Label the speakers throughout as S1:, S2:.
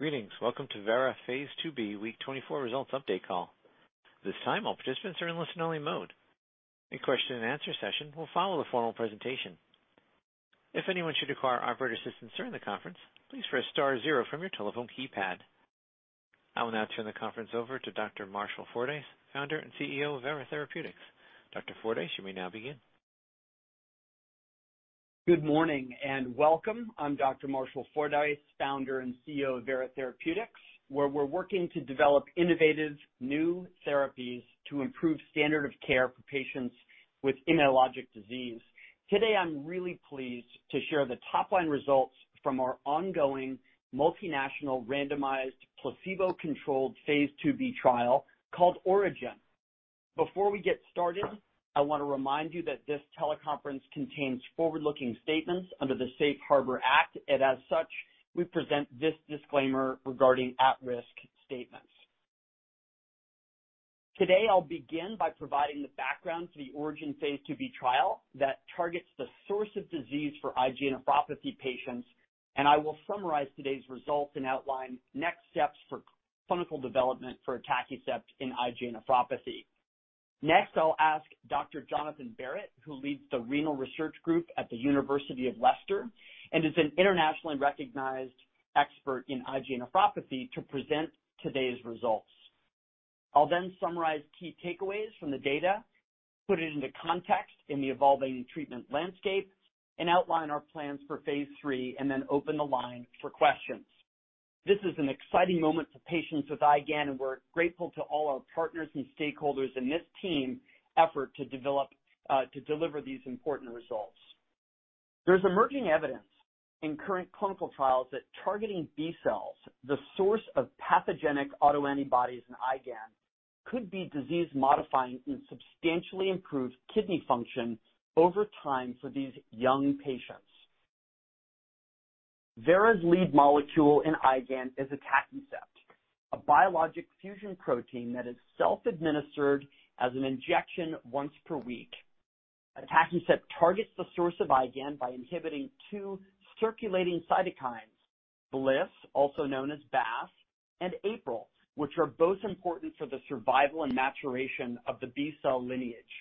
S1: Greetings. Welcome to Vera phase IIb Week 24 Results Update call. This time, all participants are in listen-only mode. A question and answer session will follow the formal presentation. If anyone should require operator assistance during the conference, please press star zero from your telephone keypad. I will now turn the conference over to Dr. Marshall Fordyce, Founder and CEO of Vera Therapeutics. Dr. Fordyce, you may now begin.
S2: Good morning and welcome. I'm Dr. Marshall Fordyce, Founder and CEO of Vera Therapeutics, where we're working to develop innovative new therapies to improve standard of care for patients with immunologic disease. Today, I'm really pleased to share the top-line results from our ongoing multinational randomized placebo-controlled phase IIb trial called ORIGIN. Before we get started, I want to remind you that this teleconference contains forward-looking statements under the Safe Harbor Act. As such, we present this disclaimer regarding at-risk statements. Today, I'll begin by providing the background to the ORIGIN phase IIb trial that targets the source of disease for IgA nephropathy patients. I will summarize today's results and outline next steps for clinical development for atacicept in IgA nephropathy. Next, I'll ask Dr. Jonathan Barratt, who leads the renal research group at the University of Leicester and is an internationally recognized expert in IgA nephropathy, to present today's results. I'll then summarize key takeaways from the data, put it into context in the evolving treatment landscape, and outline our plans for phase III, and then open the line for questions. This is an exciting moment for patients with IgAN, and we're grateful to all our partners and stakeholders in this team effort to develop, to deliver these important results. There's emerging evidence in current clinical trials that targeting B-cells, the source of pathogenic autoantibodies in IgAN, could be disease-modifying and substantially improve kidney function over time for these young patients. Vera's lead molecule in IgAN is atacicept, a biologic fusion protein that is self-administered as an injection once per week. Atacicept targets the source of IgAN by inhibiting two circulating cytokines, BLyS, also known as BAFF, and APRIL, which are both important for the survival and maturation of the B-cell lineage.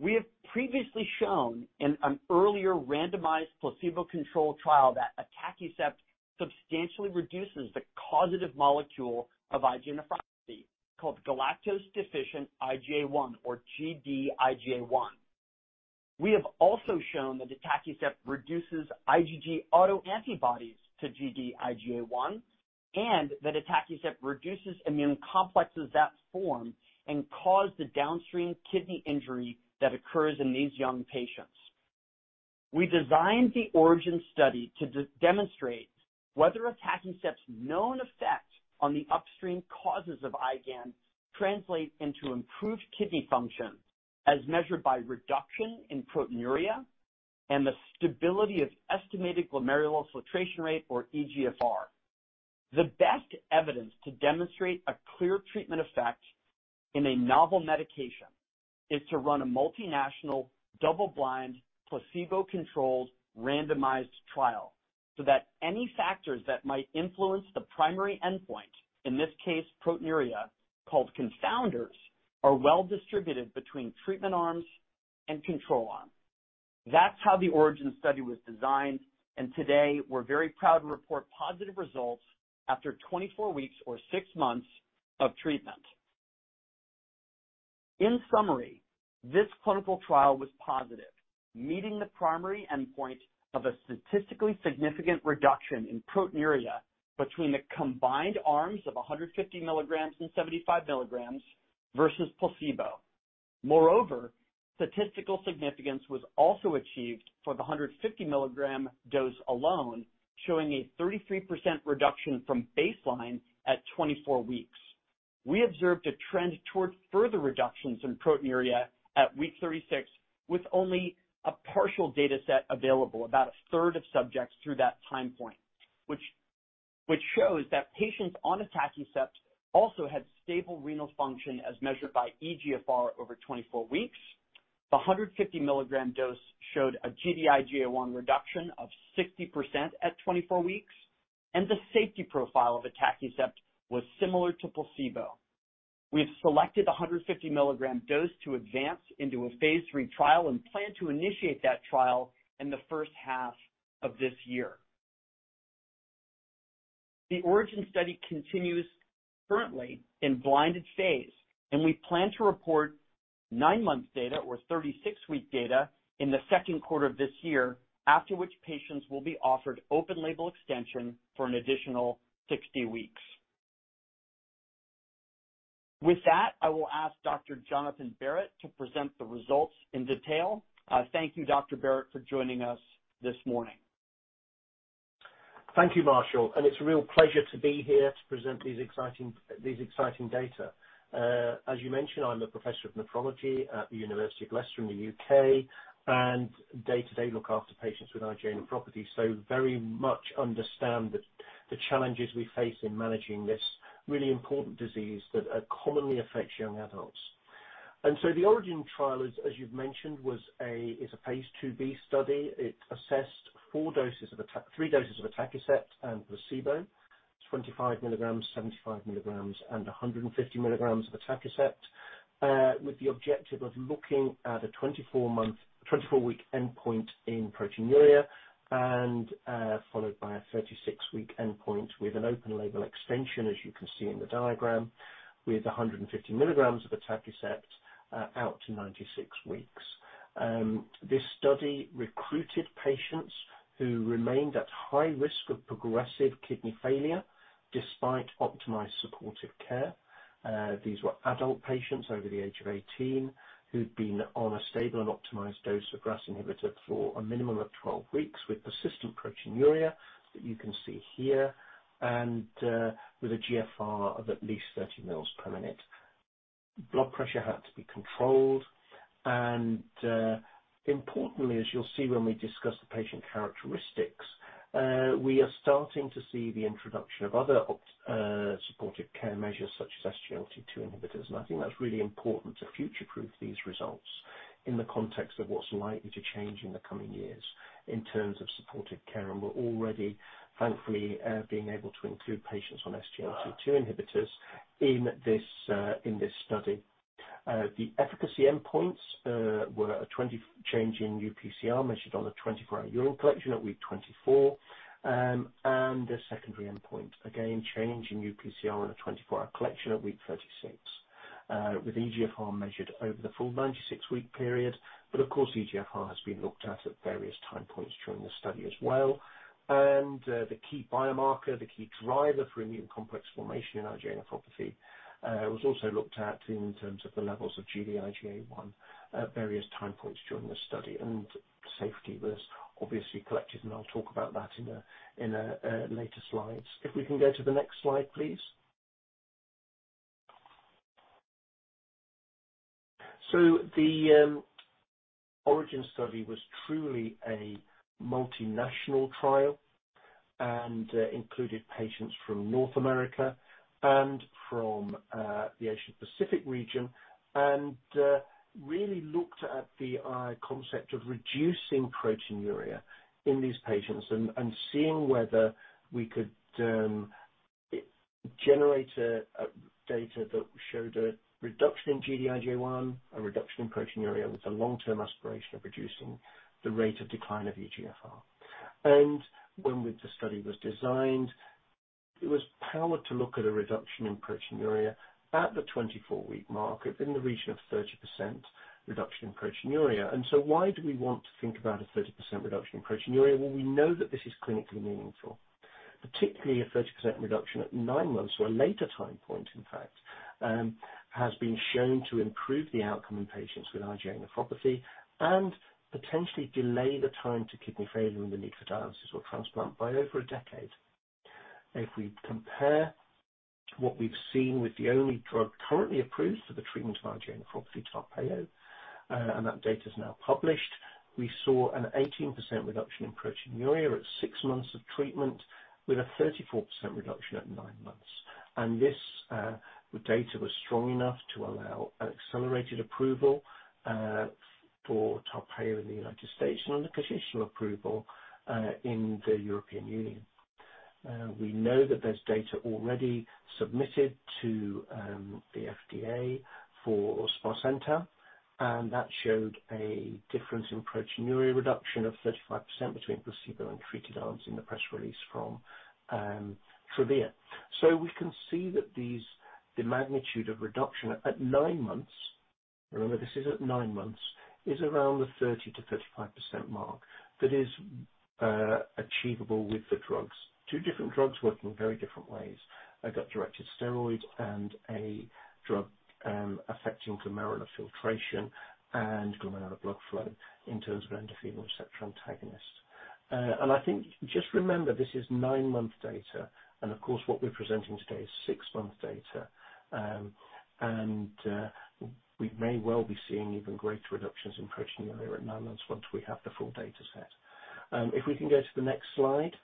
S2: We have previously shown in an earlier randomized placebo-controlled trial that atacicept substantially reduces the causative molecule of IgA nephropathy, called galactose-deficient IgA1 or Gd-IgA1. We have also shown that atacicept reduces IgG autoantibodies to Gd-IgA1. That atacicept reduces immune complexes that form and cause the downstream kidney injury that occurs in these young patients. We designed the ORIGIN study to demonstrate whether atacicept's known effect on the upstream causes of IgAN translate into improved kidney function, as measured by reduction in proteinuria and the stability of estimated glomerular filtration rate or eGFR. The best evidence to demonstrate a clear treatment effect in a novel medication is to run a multinational double-blind, placebo-controlled randomized trial so that any factors that might influence the primary endpoint, in this case proteinuria, called confounders, are well distributed between treatment arms and control arms. That's how the ORIGIN study was designed, and today we're very proud to report positive results after 24 weeks or six months of treatment. In summary, this clinical trial was positive, meeting the primary endpoint of a statistically significant reduction in proteinuria between the combined arms of 150 milligrams and 75 milligrams vs placebo. Statistical significance was also achieved for the 150-milligram dose alone, showing a 33% reduction from baseline at 24 weeks. We observed a trend towards further reductions in proteinuria at week 36, with only a partial dataset available, about a third of subjects through that time point, which shows that patients on atacicept also had stable renal function as measured by eGFR over 24 weeks. The 150-milligram dose showed a Gd-IgA1 reduction of 60% at 24 weeks, and the safety profile of atacicept was similar to placebo. We've selected the 150-milligram dose to advance into a phase III trial and plan to initiate that trial in the first half of this year. The ORIGIN study continues currently in blinded phase, and we plan to report nine-month data or 36-week data in the second quarter of this year, after which patients will be offered open label extension for an additional 60 weeks. With that, I will ask Dr. Jonathan Barratt to present the results in detail. Thank you, Dr. Barratt, for joining us this morning.
S3: Thank you, Marshall. It's a real pleasure to be here to present these exciting data. As you mentioned, I'm a professor of nephrology at the University of Leicester in the U.K. and day-to-day look after patients with IgA nephropathy, so very much understand the challenges we face in managing this really important disease that commonly affects young adults. The ORIGIN trial, as you've mentioned, was a phase IIb study. It assessed 3 doses of atacicept and placebo, 25 milligrams, 75 milligrams, and 150 milligrams of atacicept, with the objective of looking at a 24-month, 24-week endpoint in proteinuria and followed by a 36-week endpoint with an open label extension, as you can see in the diagram, with 150 milligrams of atacicept out to 96 weeks. This study recruited patients who remained at high risk of progressive kidney failure despite optimized supportive care. These were adult patients over the age of 18 who'd been on a stable and optimized dose of RAS inhibitor for a minimum of 12 weeks with persistent proteinuria, that you can see here, and with a GFR of at least 30 mils per minute. Blood pressure had to be controlled. Importantly, as you'll see when we discuss the patient characteristics, we are starting to see the introduction of other supportive care measures such as SGLT2 inhibitors. I think that's really important to future-proof these results in the context of what's likely to change in the coming years in terms of supportive care. We're already thankfully being able to include patients on SGLT2 inhibitors in this study. The efficacy endpoints were a 20 change in uPCR measured on a 24-hour urine collection at week 24. A secondary endpoint, again, change in uPCR in a 24-hour collection at week 36, with eGFR measured over the full 96-week period. Of course, eGFR has been looked at at various time points during the study as well. The key biomarker, the key driver for immune complex formation in IgA nephropathy, was also looked at in terms of the levels of Gd-IgA1 at various time points during the study. Safety was obviously collected, and I'll talk about that in a later slides. If we can go to the next slide, please. The ORIGIN study was truly a multinational trial and included patients from North America and from the Asian Pacific region and really looked at the concept of reducing proteinuria in these patients and seeing whether we could generate a data that showed a reduction in Gd-IgA1, a reduction in proteinuria with the long-term aspiration of reducing the rate of decline of eGFR. the study was designed, it was powered to look at a reduction in proteinuria at the 24-week mark within the region of 30% reduction in proteinuria. Why do we want to think about a 30% reduction in proteinuria? Well, we know that this is clinically meaningful. Particularly a 30% reduction at nine months or a later time point, in fact, has been shown to improve the outcome in patients with IgA nephropathy and potentially delay the time to kidney failure and the need for dialysis or transplant by over a decade. If we compare what we've seen with the only drug currently approved for the treatment of IgA nephropathy, Tarpeyo, and that data is now published, we saw an 18% reduction in proteinuria at six months of treatment with a 34% reduction at nine months. This data was strong enough to allow an accelerated approval for Tarpeyo in the United States and a conditional approval in the European Union. We know that there's data already submitted to the FDA for sparsentan, and that showed a difference in proteinuria reduction of 35% between placebo and treated arms in the press release from Vera Therapeutics. We can see that these, the magnitude of reduction at nine months, remember this is at nine months, is around the 30%-35% mark that is achievable with the drugs. Two different drugs working in very different ways, a gut-directed steroid and a drug affecting glomerular filtration and glomerular blood flow in terms of endothelin receptor antagonist. I think just remember, this is nine-month data, and of course, what we're presenting today is 6-month data. We may well be seeing even greater reductions in proteinuria at nine months once we have the full data set. If we can go to the next slide.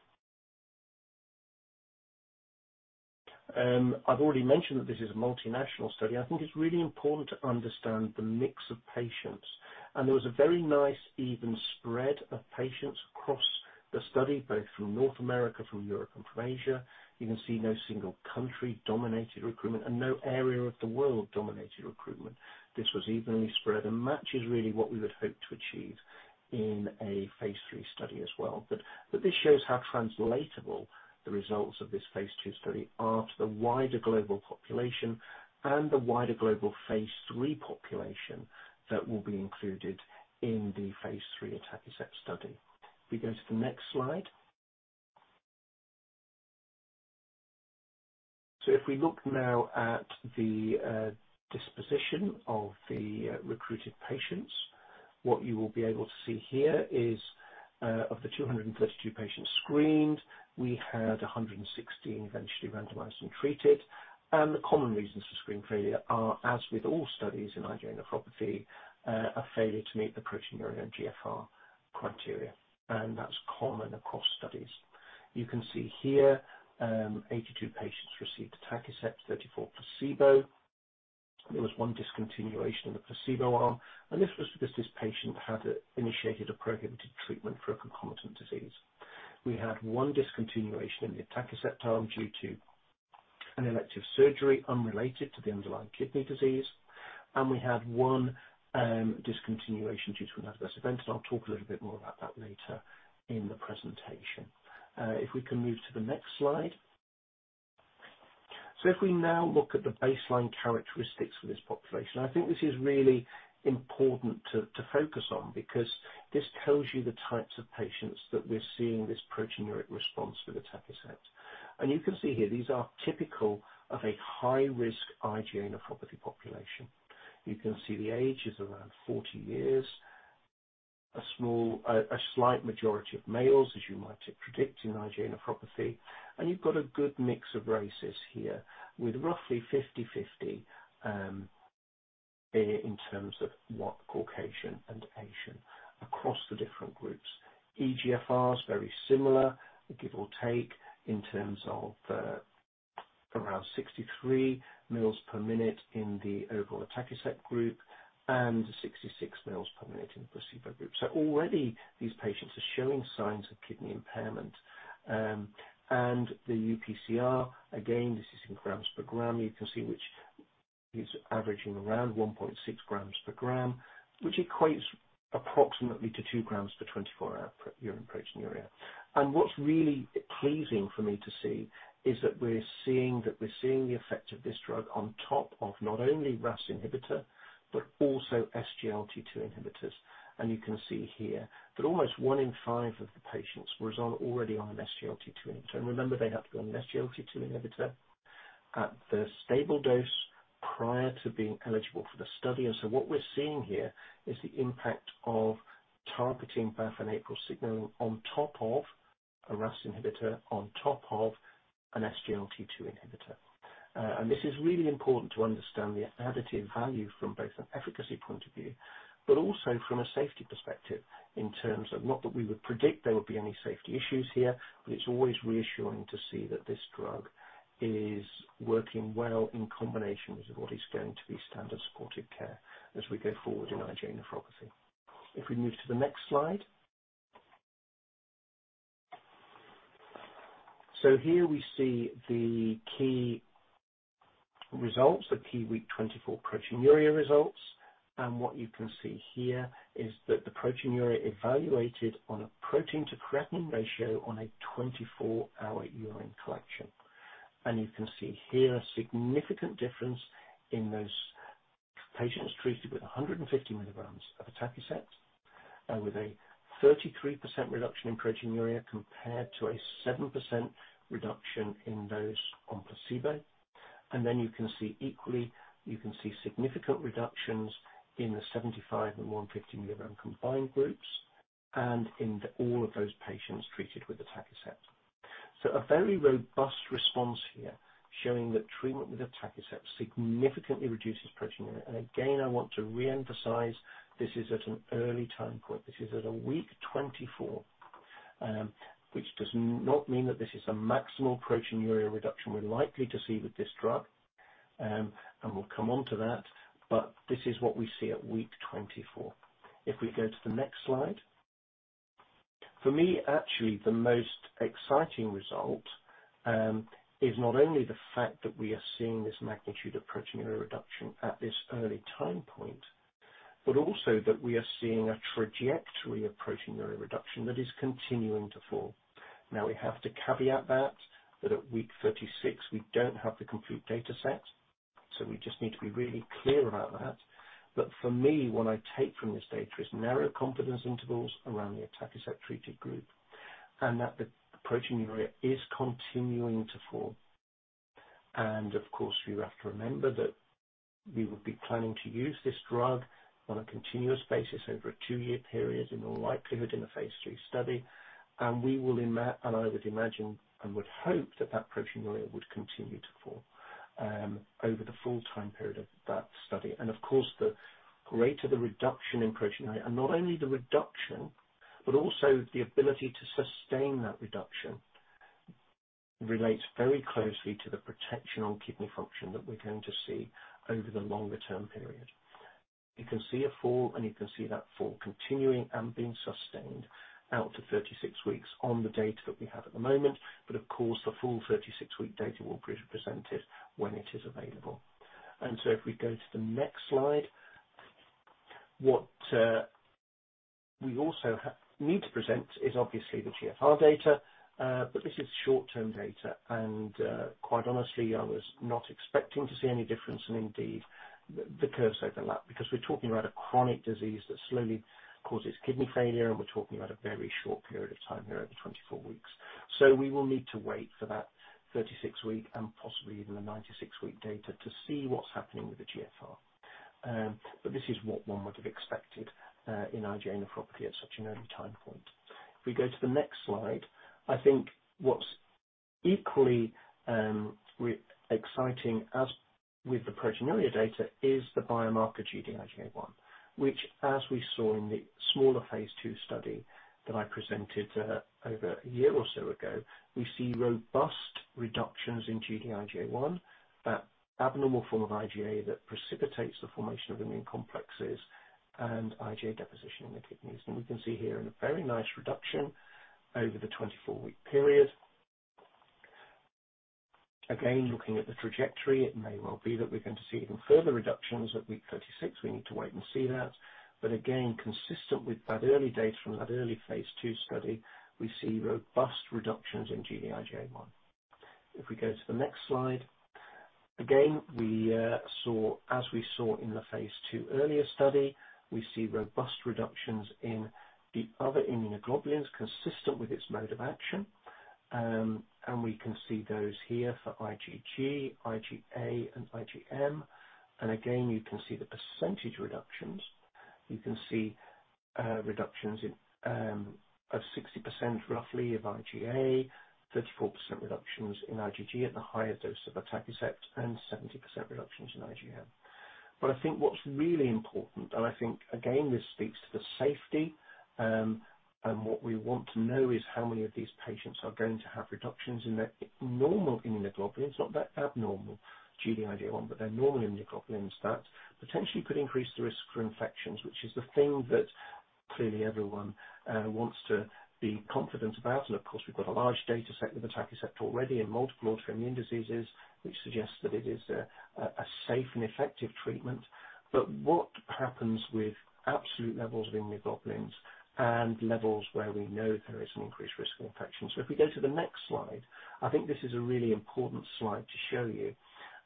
S3: I've already mentioned that this is a multinational study. I think it's really important to understand the mix of patients. There was a very nice even spread of patients across the study, both from North America, from Europe, and from Asia. You can see no single country dominated recruitment and no area of the world dominated recruitment. This was evenly spread and matches really what we would hope to achieve in a phase III study as well. This shows how translatable the results of this phase II study are to the wider global population and the wider global phase III population that will be included in the phase III atacicept study. If we go to the next slide. If we look now at the disposition of the recruited patients, what you will be able to see here is of the 232 patients screened, we had 116 eventually randomized and treated. The common reasons for screen failure are, as with all studies in IgA nephropathy, a failure to meet the proteinuria and GFR criteria. That's common across studies. You can see here, 82 patients received atacicept, 34 placebo. There was 1 discontinuation in the placebo arm, and this was because this patient had initiated a prohibited treatment for a concomitant disease. We had 1 discontinuation in the atacicept arm due to an elective surgery unrelated to the underlying kidney disease, we had 1 discontinuation due to an adverse event, and I'll talk a little bit more about that later in the presentation. If we can move to the next slide. If we now look at the baseline characteristics for this population, I think this is really important to focus on because this tells you the types of patients that we're seeing this proteinuria response with atacicept. You can see here these are typical of a high-risk IgA nephropathy population. You can see the age is around 40 years. a slight majority of males, as you might predict in IgA nephropathy, and you've got a good mix of races here with roughly 50/50 in terms of White Caucasian and Asian across the different groups. eGFR is very similar, give or take, in terms of around 63 mils per minute in the overall atacicept group and 66 mils per minute in the placebo group. Already these patients are showing signs of kidney impairment. The uPCR, again, this is in grams per gram, you can see which is averaging around 1.6 grams per gram, which equates approximately to 2 grams per 24-hour urine proteinuria. What's really pleasing for me to see is that we're seeing the effect of this drug on top of not only RAS inhibitor but also SGLT2 inhibitors. You can see here that almost one in five of the patients was already on an SGLT2 inhibitor. Remember, they had to be on an SGLT2 inhibitor at the stable dose prior to being eligible for the study. What we're seeing here is the impact of targeting BAFF and APRIL signaling on top of a RAS inhibitor on top of an SGLT2 inhibitor. This is really important to understand the additive value from both an efficacy point of view but also from a safety perspective in terms of not that we would predict there would be any safety issues here, but it's always reassuring to see that this drug is working well in combination with what is going to be standard supportive care as we go forward in IgA nephropathy. If we move to the next slide. Here we see the key results, the key week 24 proteinuria results. What you can see here is that the proteinuria evaluated on a protein-to-creatinine ratio on a 24-hour urine collection. You can see here a significant difference in those patients treated with 150 mg of atacicept, with a 33% reduction in proteinuria compared to a 7% reduction in those on placebo. Then you can see equally, you can see significant reductions in the 75 and 150 mg combined groups and in the all of those patients treated with atacicept. A very robust response here showing that treatment with atacicept significantly reduces proteinuria. Again, I want to reemphasize, this is at an early time point. This is at a week 24, which does not mean that this is a maximal proteinuria reduction we're likely to see with this drug. We'll come on to that, but this is what we see at week 24. If we go to the next slide. For me, actually, the most exciting result, is not only the fact that we are seeing this magnitude of proteinuria reduction at this early time point but also that we are seeing a trajectory of proteinuria reduction that is continuing to fall. Now, we have to caveat that at week 36 we don't have the complete data set, so we just need to be really clear about that. For me, what I take from this data is narrow confidence intervals around the atacicept treated group, and that the proteinuria is continuing to fall. Of course, we have to remember that we would be planning to use this drug on a continuous basis over a two-year period, in all likelihood in a phase III study. I would imagine, and would hope that that proteinuria would continue to fall over the full time period of that study. Of course, the greater the reduction in proteinuria, and not only the reduction but also the ability to sustain that reduction, relates very closely to the protection on kidney function that we're going to see over the longer-term period. You can see a fall, and you can see that fall continuing and being sustained out to 36 weeks on the data that we have at the moment. Of course, the full 36-week data will be presented when it is available. If we go to the next slide. What we also need to present is obviously the GFR data. This is short-term data. Quite honestly, I was not expecting to see any difference. Indeed, the curves overlap because we're talking about a chronic disease that slowly causes kidney failure, and we're talking about a very short period of time here over 24 weeks. We will need to wait for that 36 week and possibly even the 96 week data to see what's happening with the GFR. This is what one would have expected in IgA nephropathy at such an early time point. If we go to the next slide. Equally, re-exciting as with the proteinuria data is the biomarker Gd-IgA1, which as we saw in the smaller phase II study that I presented, over a year or so ago, we see robust reductions in Gd-IgA1, that abnormal form of IgA that precipitates the formation of immune complexes and IgA deposition in the kidneys. We can see here in a very nice reduction over the 24-week period. Again, looking at the trajectory, it may well be that we're going to see even further reductions at week 36. We need to wait and see that. Again, consistent with that early data from that early phase II study, we see robust reductions in Gd-IgA1. If we go to the next slide. We saw, as we saw in the phase II earlier study, we see robust reductions in the other immunoglobulins consistent with its mode of action. We can see those here for IgG, IgA, and IgM. You can see the % reductions. You can see reductions of 60% roughly of IgA, 34% reductions in IgG at the higher dose of atacicept, and 70% reductions in IgM. I think what's really important, and I think again, this speaks to the safety, and what we want to know is how many of these patients are going to have reductions in their normal immunoglobulins, not that abnormal Gd-IgA1, but their normal immunoglobulins that potentially could increase the risk for infections, which is the thing that clearly everyone wants to be confident about. Of course, we've got a large data set with atacicept already in multiple autoimmune diseases which suggest that it is a safe and effective treatment. What happens with absolute levels of immunoglobulins and levels where we know there is an increased risk of infection? If we go to the next slide, I think this is a really important slide to show you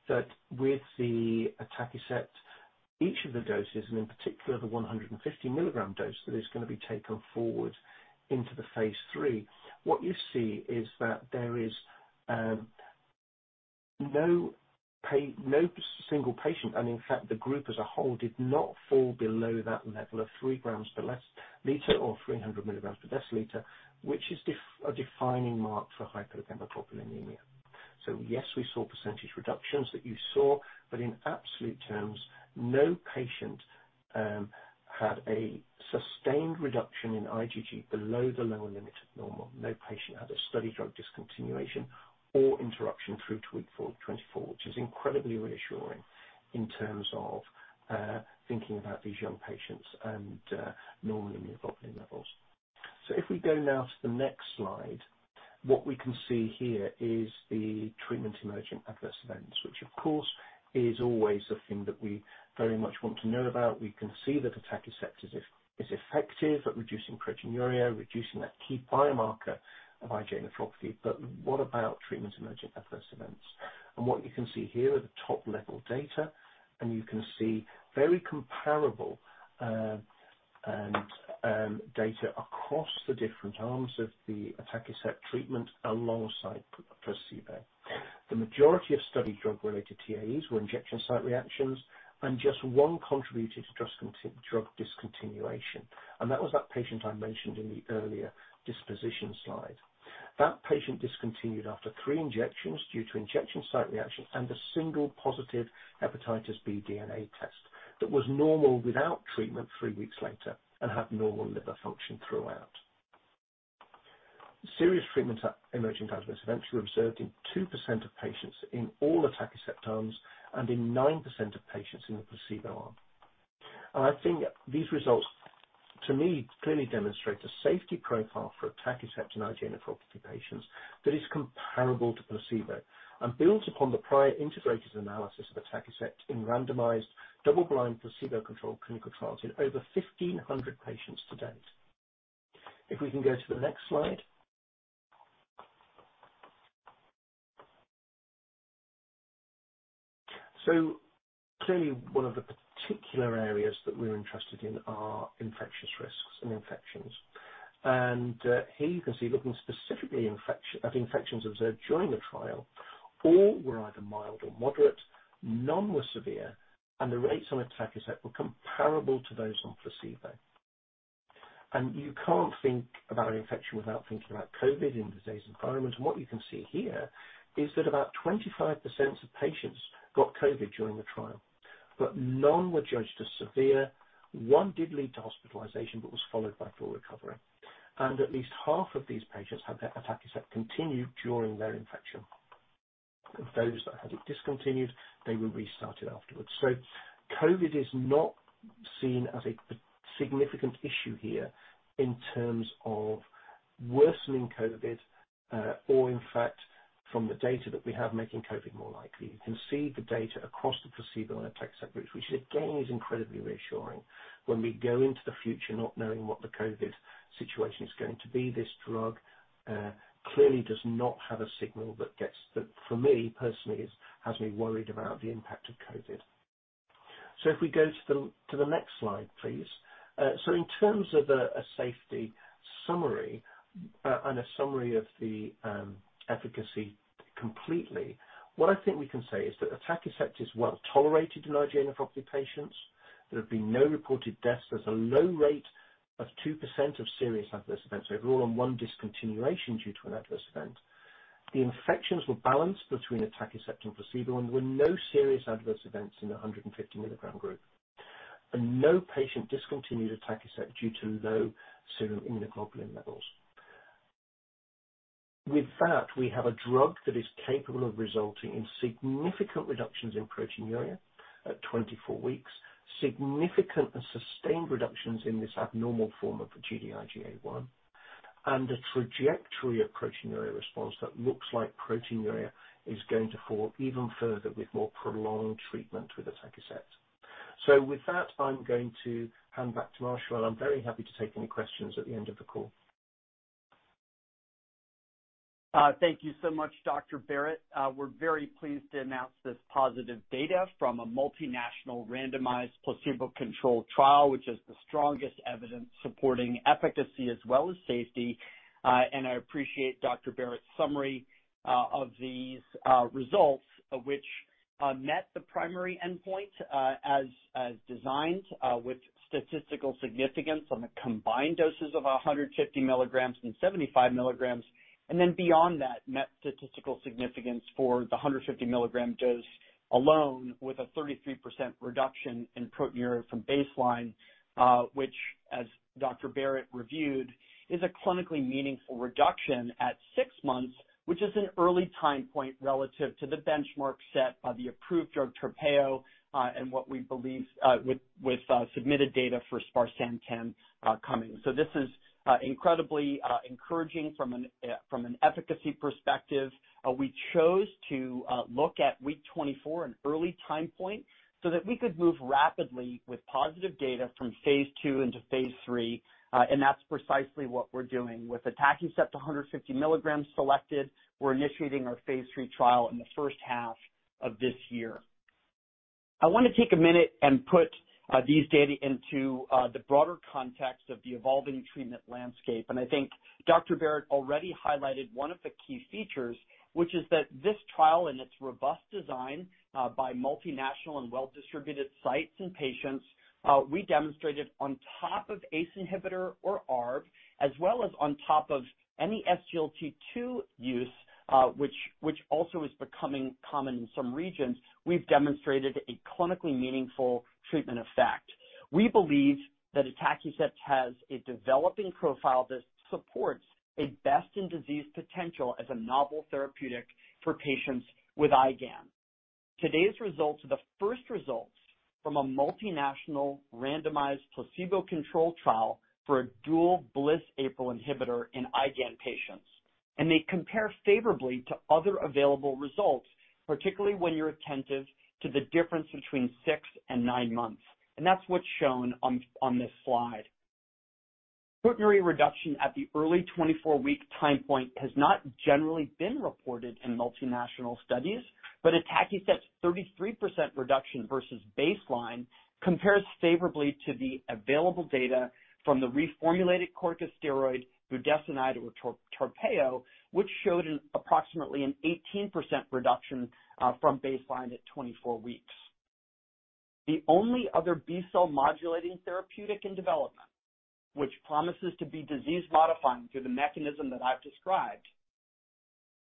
S3: that with the atacicept, each of the doses, and in particular the 150 milligram dose that is going to be taken forward into the phase III, what you see is that there is no single patient, and in fact, the group as a whole did not fall below that level of 3 grams per less liter or 300 milligrams per deciliter, which is a defining mark for hypogammaglobulinemia. Yes, we saw percentage reductions that you saw, but in absolute terms, no patient had a sustained reduction in IgG below the lower limit of normal. No patient had a study drug discontinuation or interruption through to week 424, which is incredibly reassuring in terms of thinking about these young patients and normal immunoglobulin levels. If we go now to the next slide, what we can see here is the treatment emergent adverse events, which of course is always something that we very much want to know about. We can see that atacicept is effective at reducing proteinuria, reducing that key biomarker of IgA nephropathy. What about treatment emergent adverse events? What you can see here are the top-level data, and you can see very comparable data across the different arms of the atacicept treatment alongside placebo. The majority of study drug-related TEAEs were injection site reactions, and just one contributed to drug discontinuation, and that was that patient I mentioned in the earlier disposition slide. That patient discontinued after 3 injections due to injection site reaction and a single positive hepatitis B DNA test that was normal without treatment 3 weeks later and had normal liver function throughout. Serious treatment emerging adverse events were observed in 2% of patients in all atacicept arms and in 9% of patients in the placebo arm. I think these results, to me, clearly demonstrate the safety profile for atacicept in IgA nephropathy patients that is comparable to placebo and builds upon the prior integrated analysis of atacicept in randomized double-blind placebo-controlled clinical trials in over 1,500 patients to date. If we can go to the next slide. Clearly one of the particular areas that we're interested in are infectious risks and infections. Here you can see, looking specifically at infections observed during the trial, all were either mild or moderate, none were severe, and the rates on atacicept were comparable to those on placebo. You can't think about an infection without thinking about COVID in today's environment. What you can see here is that about 25% of patients got COVID during the trial, but none were judged as severe. One did lead to hospitalization, was followed by full recovery. At least half of these patients had their atacicept continued during their infection. Those that had it discontinued, they were restarted afterwards. COVID is not seen as a significant issue here in terms of worsening COVID, or in fact from the data that we have, making COVID more likely. You can see the data across the placebo and atacicept groups, which again is incredibly reassuring when we go into the future not knowing what the COVID situation is going to be, this drug clearly does not have a signal that for me personally is, has me worried about the impact of COVID. If we go to the next slide, please. In terms of a safety summary, and a summary of the efficacy. What I think we can say is that atacicept is well-tolerated in large IgA nephropathy patients. There have been no reported deaths. There's a low rate of 2% of serious adverse events overall and 1 discontinuation due to an adverse event. The infections were balanced between atacicept and placebo, there were no serious adverse events in the 150 milligram group. No patient discontinued atacicept due to low serum immunoglobulin levels. With that, we have a drug that is capable of resulting in significant reductions in proteinuria at 24 weeks, significant and sustained reductions in this abnormal form of Gd-IgA1, and a trajectory of proteinuria response that looks like proteinuria is going to fall even further with more prolonged treatment with atacicept. With that, I'm going to hand back to Marshall, and I'm very happy to take any questions at the end of the call.
S2: Thank you so much, Dr. Barratt. We're very pleased to announce this positive data from a multinational randomized placebo-controlled trial, which is the strongest evidence supporting efficacy as well as safety. I appreciate Dr. Barratt's summary of these results, which met the primary endpoint as designed with statistical significance on the combined doses of 150 milligrams and 75 milligrams. Beyond that, net statistical significance for the 150 milligram dose alone with a 33% reduction in proteinuria from baseline, which, as Dr. Barratt reviewed, is a clinically meaningful reduction at six months, which is an early time point relative to the benchmark set of the approved drug, Tarpeyo, and what we believe with submitted data for sparsentan can coming. This is incredibly encouraging from an from an efficacy perspective. We chose to look at week 24, an early time point, so that we could move rapidly with positive data from phase II into phase III, and that's precisely what we're doing. With atacicept 150 milligrams selected, we're initiating our phase III trial in the first half of this year. I want to take a minute and put these data into the broader context of the evolving treatment landscape. I think Dr. Barratt already highlighted one of the key features, which is that this trial, in its robust design, by multinational and well-distributed sites and patients, we demonstrated on top of ACE inhibitor or ARB, as well as on top of any SGLT2 use, which also is becoming common in some regions, we've demonstrated a clinically meaningful treatment effect. We believe that atacicept has a developing profile that supports a best-in-disease potential as a novel therapeutic for patients with IgAN. Today's results are the first results from a multinational randomized placebo-controlled trial for a dual BLyS APRIL inhibitor in IgAN patients, and they compare favorably to other available results, particularly when you're attentive to the difference between six and nine months. That's what's shown on this slide. Proteinuria reduction at the early 24-week time point has not generally been reported in multinational studies. Atacicept's 33% reduction vs baseline compares favorably to the available data from the reformulated corticosteroid budesonide or Tarpeyo, which showed approximately an 18% reduction from baseline at 24 weeks. The only other B-cell modulating therapeutic in development, which promises to be disease modifying through the mechanism that I've described,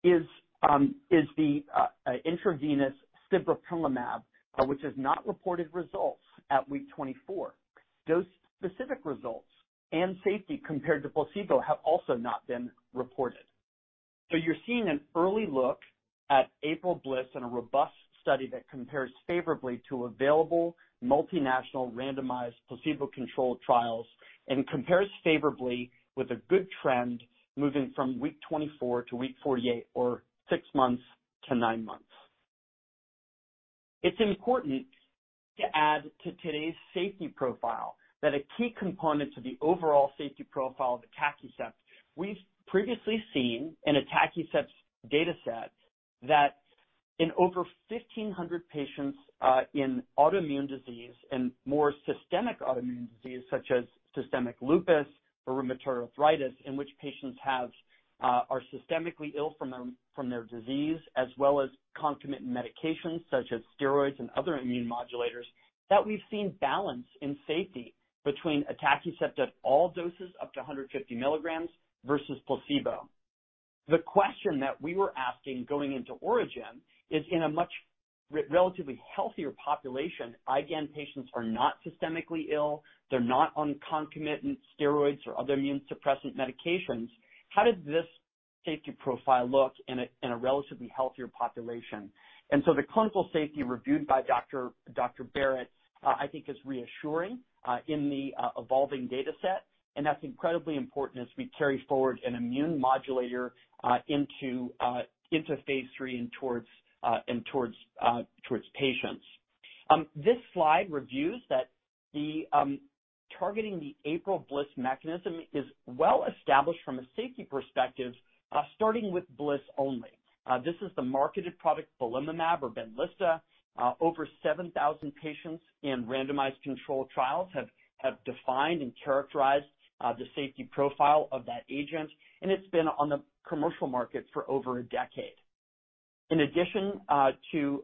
S2: is the intravenous sibeprenlimab, which has not reported results at week 24. Those specific results and safety compared to placebo have also not been reported. You're seeing an early look at APRIL BLyS in a robust study that compares favorably to available multinational randomized placebo-controlled trials and compares favorably with a good trend moving from week 24 to week 48 or six months to nine months. It's important to add to today's safety profile that a key component to the overall safety profile of atacicept, we've previously seen in atacicept's dataset that in over 1,500 patients in autoimmune disease and more systemic autoimmune disease, such as systemic lupus or rheumatoid arthritis, in which patients have are systemically ill from their disease, as well as concomitant medications such as steroids and other immune modulators, that we've seen balance in safety between atacicept at all doses up to 150 milligrams vs placebo. The question that we were asking going into ORIGIN is in a much relatively healthier population, IgAN patients are not systemically ill, they're not on concomitant steroids or other immune suppressant medications. How does this safety profile look in a, in a relatively healthier population? The clinical safety reviewed by Dr. Barratt, I think is reassuring in the evolving dataset. That's incredibly important as we carry forward an immune modulator into phase III and towards patients. This slide reviews that the targeting the APRIL BLyS mechanism is well established from a safety perspective, starting with BLyS only. This is the marketed product belimumab or Benlysta. Over 7,000 patients in randomized controlled trials have defined and characterized the safety profile of that agent. It's been on the commercial market for over a decade. In addition to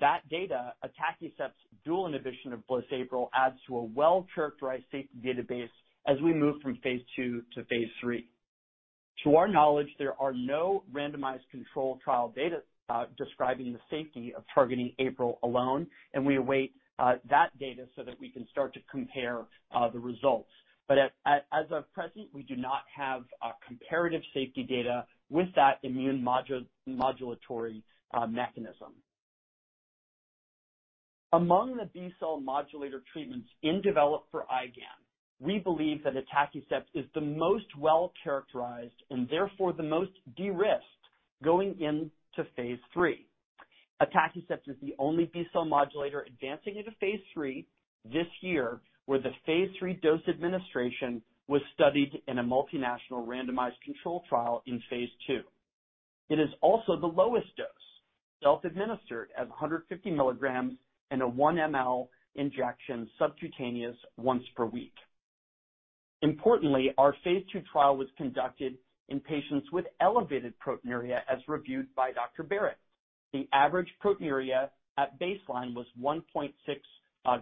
S2: that data, atacicept's dual inhibition of BLyS APRIL adds to a well-characterized safety database as we move from phase II to phase III. To our knowledge, there are no randomized controlled trial data describing the safety of targeting APRIL alone, and we await that data so that we can start to compare the results. As of present, we do not have comparative safety data with that immune modulatory mechanism. Among the B-cell modulator treatments in develop for IgAN, we believe that atacicept is the most well-characterized and therefore the most de-risked going into phase III. Atacicept is the only B-cell modulator advancing into phase III this year, where the phase III dose administration was studied in a multinational randomized controlled trial in phase II. It is also the lowest dose, self-administered at 150 milligrams in a 1 ml injection, subcutaneous, once per week. Importantly, our phase II trial was conducted in patients with elevated proteinuria as reviewed by Dr. Barratt. The average proteinuria at baseline was 1.6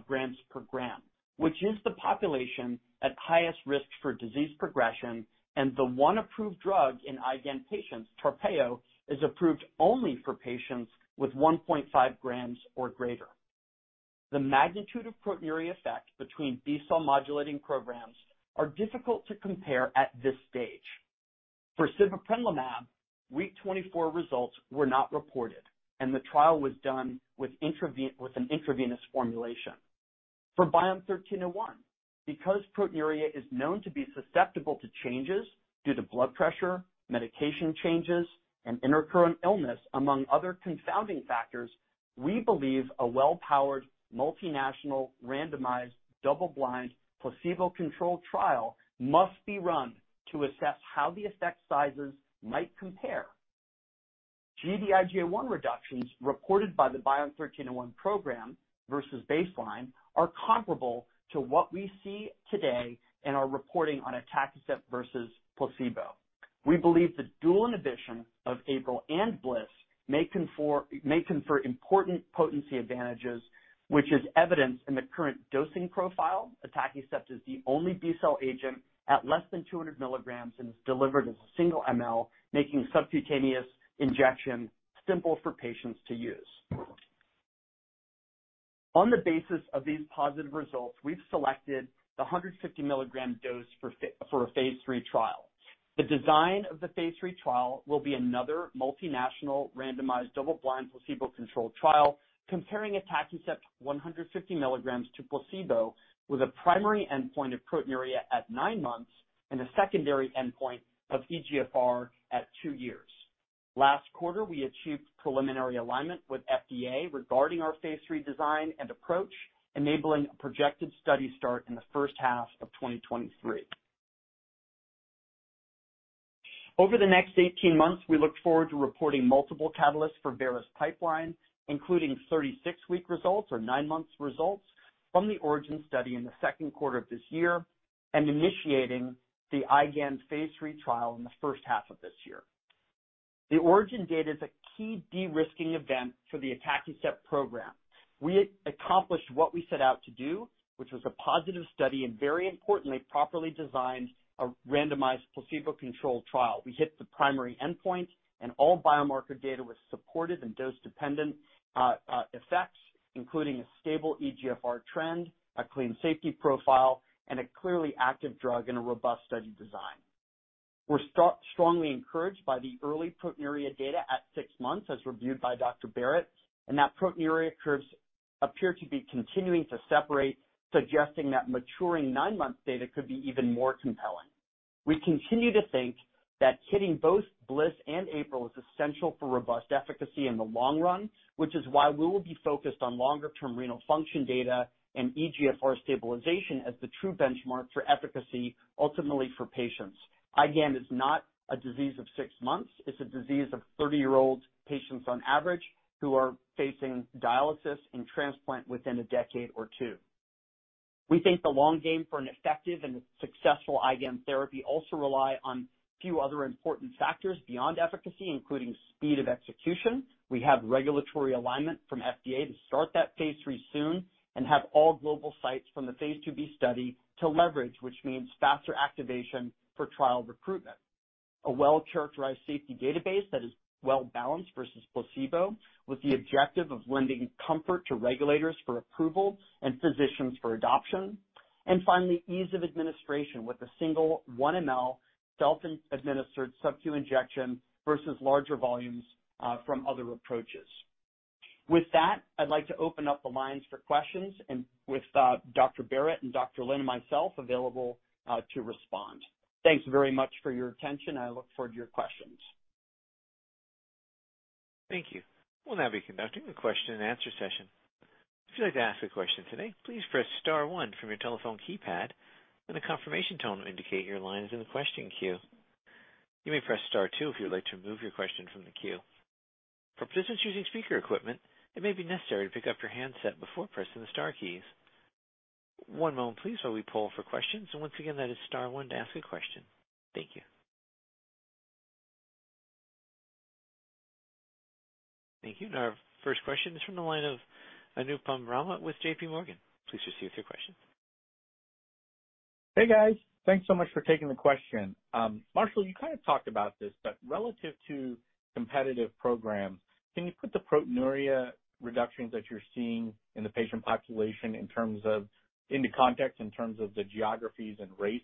S2: grams per gram, which is the population at highest risk for disease progression. The one approved drug in IgAN patients, Tarpeyo, is approved only for patients with 1.5 grams or greater. The magnitude of proteinuria effect between B-cell modulating programs are difficult to compare at this stage. For sibeprenlimab, week 24 results were not reported, and the trial was done with an intravenous formulation. For BION-1301, because proteinuria is known to be susceptible to changes due to blood pressure, medication changes, and intercurrent illness, among other confounding factors, we believe a well-powered, multinational, randomized, double-blind, placebo-controlled trial must be run to assess how the effect sizes might compare. Gd-IgA1 reductions reported by the BION-1301 program vs baseline are comparable to what we see today in our reporting on atacicept vs placebo. We believe the dual inhibition of APRIL and BLyS may confer important potency advantages, which is evidenced in the current dosing profile. Atacicept is the only B-cell agent at less than 200 mg and is delivered as a single mL, making subcutaneous injection simple for patients to use. On the basis of these positive results, we've selected the 150 mg dose for a phase III trial. The design of the phase III trial will be another multinational randomized double-blind placebo-controlled trial comparing atacicept 150 mg to placebo with a primary endpoint of proteinuria at nine months and a secondary endpoint of eGFR at two years. Last quarter, we achieved preliminary alignment with FDA regarding our phase III design and approach, enabling a projected study start in the first half of 2023. Over the next 18 months, we look forward to reporting multiple catalysts for Vera's pipeline, including 36-week results or nine months results from the ORIGIN study in the second quarter of this year, and initiating the IgAN phase III trial in the first half of this year. The ORIGIN data is a key de-risking event for the atacicept program. We accomplished what we set out to do, which was a positive study and very importantly, properly designed a randomized placebo-controlled trial. We hit the primary endpoint and all biomarker data was supported and dose-dependent effects, including a stable eGFR trend, a clean safety profile, and a clearly active drug in a robust study design. We're strongly encouraged by the early proteinuria data at six months, as reviewed by Dr. Barratt. That proteinuria curves appear to be continuing to separate, suggesting that maturing nine-month data could be even more compelling. We continue to think that hitting both BLyS and APRIL is essential for robust efficacy in the long run, which is why we will be focused on longer term renal function data and eGFR stabilization as the true benchmark for efficacy ultimately for patients. IgAN is not a disease of six months. It's a disease of 30-year-old patients on average who are facing dialysis and transplant within a decade or two. We think the long game for an effective and successful IgAN therapy also rely on few other important factors beyond efficacy, including speed of execution. We have regulatory alignment from FDA to start that phase III soon and have all global sites from the phase IIb study to leverage, which means faster activation for trial recruitment. A well-characterized safety database that is well-balanced vs placebo, with the objective of lending comfort to regulators for approval and physicians for adoption. Finally, ease of administration with a single 1 ml self-administered subcu injection vs larger volumes from other approaches. With that, I'd like to open up the lines for questions and with Dr. Barratt and Celia Lin and myself available to respond. Thanks very much for your attention. I look forward to your questions.
S1: Thank you. We'll now be conducting a question and answer session. If you'd like to ask a question today, please press star one from your telephone keypad and a confirmation tone will indicate your line is in the question queue. You may press star two if you would like to remove your question from the queue. For participants using speaker equipment, it may be necessary to pick up your handset before pressing the star keys. One moment please while we pull for questions. Once again, that is star one to ask a question. Thank you. Thank you. Our first question is from the line of Anupam Rama with JPMorgan. Please proceed with your question.
S4: Hey, guys. Thanks so much for taking the question. Marshall, you kind of talked about this, but relative to competitive programs, can you put the proteinuria reductions that you're seeing in the patient population in terms of, into context in terms of the geographies and race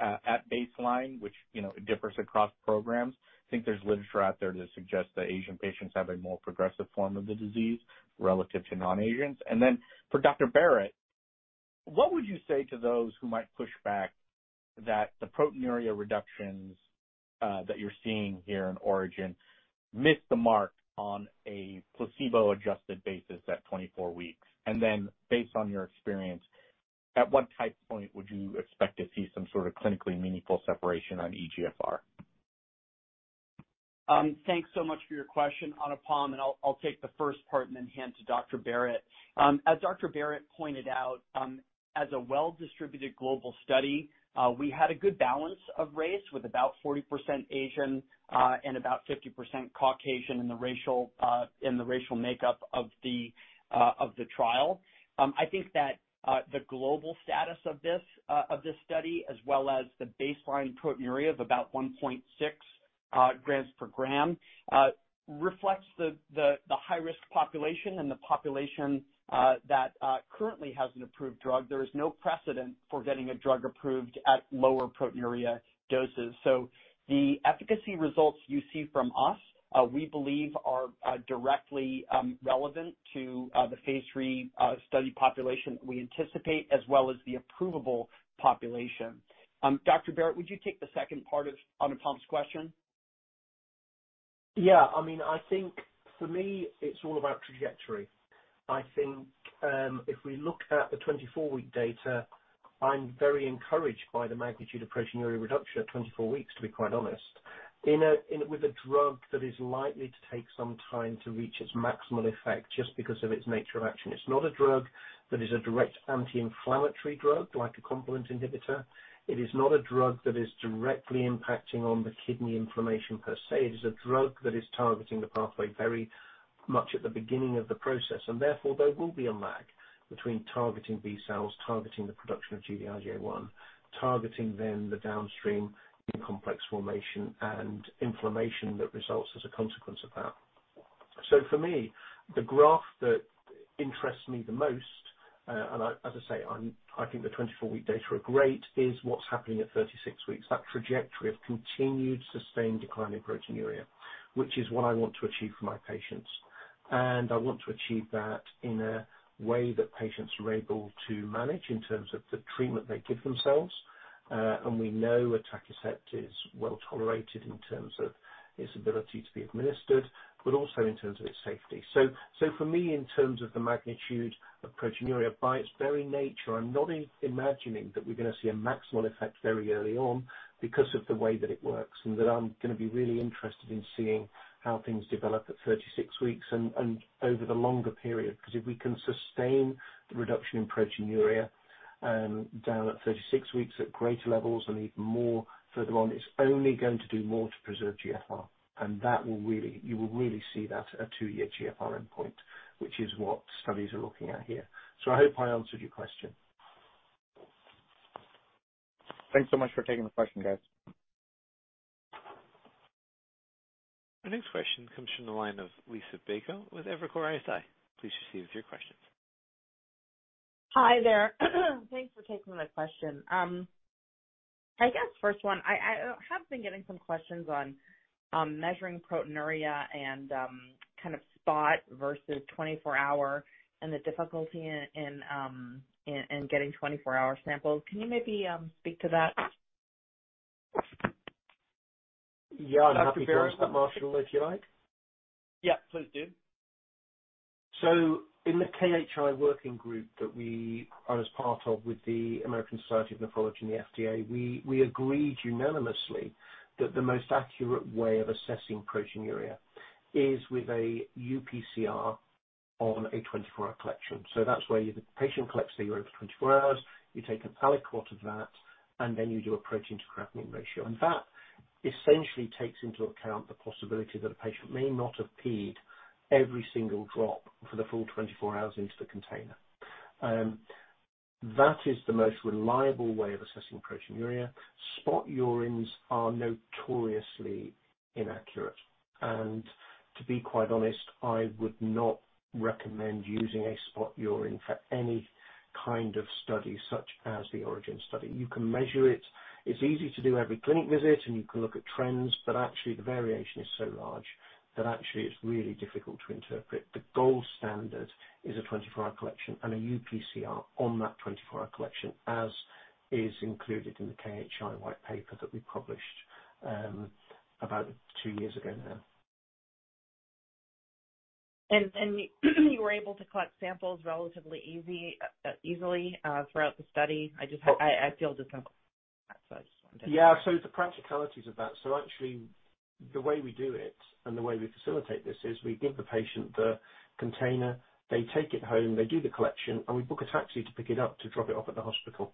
S4: at baseline, which, you know, differs across programs? I think there's literature out there that suggests that Asian patients have a more progressive form of the disease relative to non-Asians. For Dr. Barratt, what would you say to those who might push back that the proteinuria reductions that you're seeing here in ORIGIN missed the mark on a placebo-adjusted basis at 24 weeks? Based on your experience, at what time point would you expect to see some sort of clinically meaningful separation on eGFR?
S2: Thanks so much for your question, Anupam, and I'll take the first part and then hand to Dr. Barratt. As Dr. Barratt pointed out, as a well-distributed global study, we had a good balance of race with about 40% Asian, and about 50% Caucasian in the racial makeup of the trial. I think that the global status of this study, as well as the baseline proteinuria of about 1.6 grams per gram, reflects the high-risk population and the population that currently has an approved drug. There is no precedent for getting a drug approved at lower proteinuria doses. The efficacy results you see from us, we believe are directly relevant to the phase III study population we anticipate as well as the approvable population. Dr. Barratt, would you take the second part of Anupam's question?
S3: Yeah. I mean, I think for me, it's all about trajectory. I think, if we look at the 24-week data, I'm very encouraged by the magnitude of proteinuria reduction at 24 weeks, to be quite honest. With a drug that is likely to take some time to reach its maximal effect just because of its nature of action. It's not a drug that is a direct anti-inflammatory drug like a complement inhibitor. It is not a drug that is directly impacting on the kidney inflammation per se. It is a drug that is targeting the pathway very much at the beginning of the process. Therefore, there will be a lag between targeting B cells, targeting the production of Gd-IgA1, targeting then the downstream in complex formation and inflammation that results as a consequence of that. For me, the graph that interests me the most, and I, as I say, I think the 24-week data are great, is what's happening at 36 weeks. That trajectory of continued sustained decline in proteinuria, which is what I want to achieve for my patients. I want to achieve that in a way that patients are able to manage in terms of the treatment they give themselves. We know atacicept is well tolerated in terms of its ability to be administered, but also in terms of its safety. For me, in terms of the magnitude of proteinuria, by its very nature, I'm not imagining that we're gonna see a maximal effect very early on because of the way that it works, and that I'm gonna be really interested in seeing how things develop at 36 weeks and over the longer period. If we can sustain the reduction in proteinuria, down at 36 weeks at greater levels and even more further on, it's only going to do more to preserve GFR. That will really, you will see that at a two-year GFR endpoint, which is what studies are looking at here. I hope I answered your question.
S4: Thanks so much for taking the question, guys.
S1: Our next question comes from the line of Liisa Bayko with Evercore ISI. Please proceed with your questions.
S5: Hi there. Thanks for taking my question. I guess first one, I have been getting some questions on measuring proteinuria and kind of spot vs 24-hour and the difficulty in getting 24-hour samples. Can you maybe speak to that?
S3: Yeah. I'm happy to go on that, Marshall, if you like.
S2: Yeah, please do.
S3: In the Kidney Health Initiative working group that we are as part of with the American Society of Nephrology and the FDA, we agreed unanimously that the most accurate way of assessing proteinuria is with a uPCR on a 24-hour collection. That's where the patient collects the urine for 24 hours, you take an aliquot of that, and then you do a protein to creatinine ratio. That essentially takes into account the possibility that a patient may not have peed every single drop for the full 24 hours into the container. That is the most reliable way of assessing proteinuria. Spot urines are notoriously inaccurate. To be quite honest, I would not recommend using a spot urine for any kind of study such as the ORIGIN study. You can measure it. It's easy to do every clinic visit, and you can look at trends, but actually the variation is so large that actually it's really difficult to interpret. The gold standard is a 24-hour collection and a uPCR on that 24-hour collection, as is included in the KHI white paper that we published, about two years ago now.
S5: You were able to collect samples relatively easily throughout the study? I just feel.
S3: The practicalities of that. Actually, the way we do it and the way we facilitate this is we give the patient the container, they take it home, they do the collection, and we book a taxi to pick it up to drop it off at the hospital.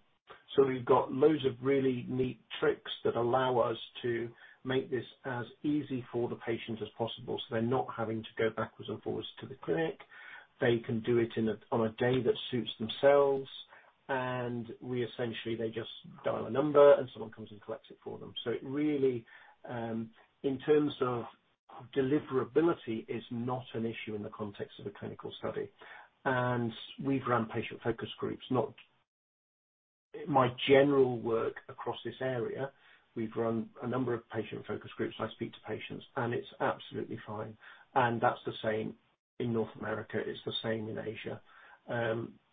S3: We've got loads of really neat tricks that allow us to make this as easy for the patient as possible, so they're not having to go backwards and forwards to the clinic. They can do it on a day that suits themselves. We essentially, they just dial a number and someone comes and collects it for them. It really, in terms of deliverability, is not an issue in the context of a clinical study. We've run patient focus groups, not... In my general work across this area, we've run a number of patient focus groups. I speak to patients, and it's absolutely fine. That's the same in North America, it's the same in Asia.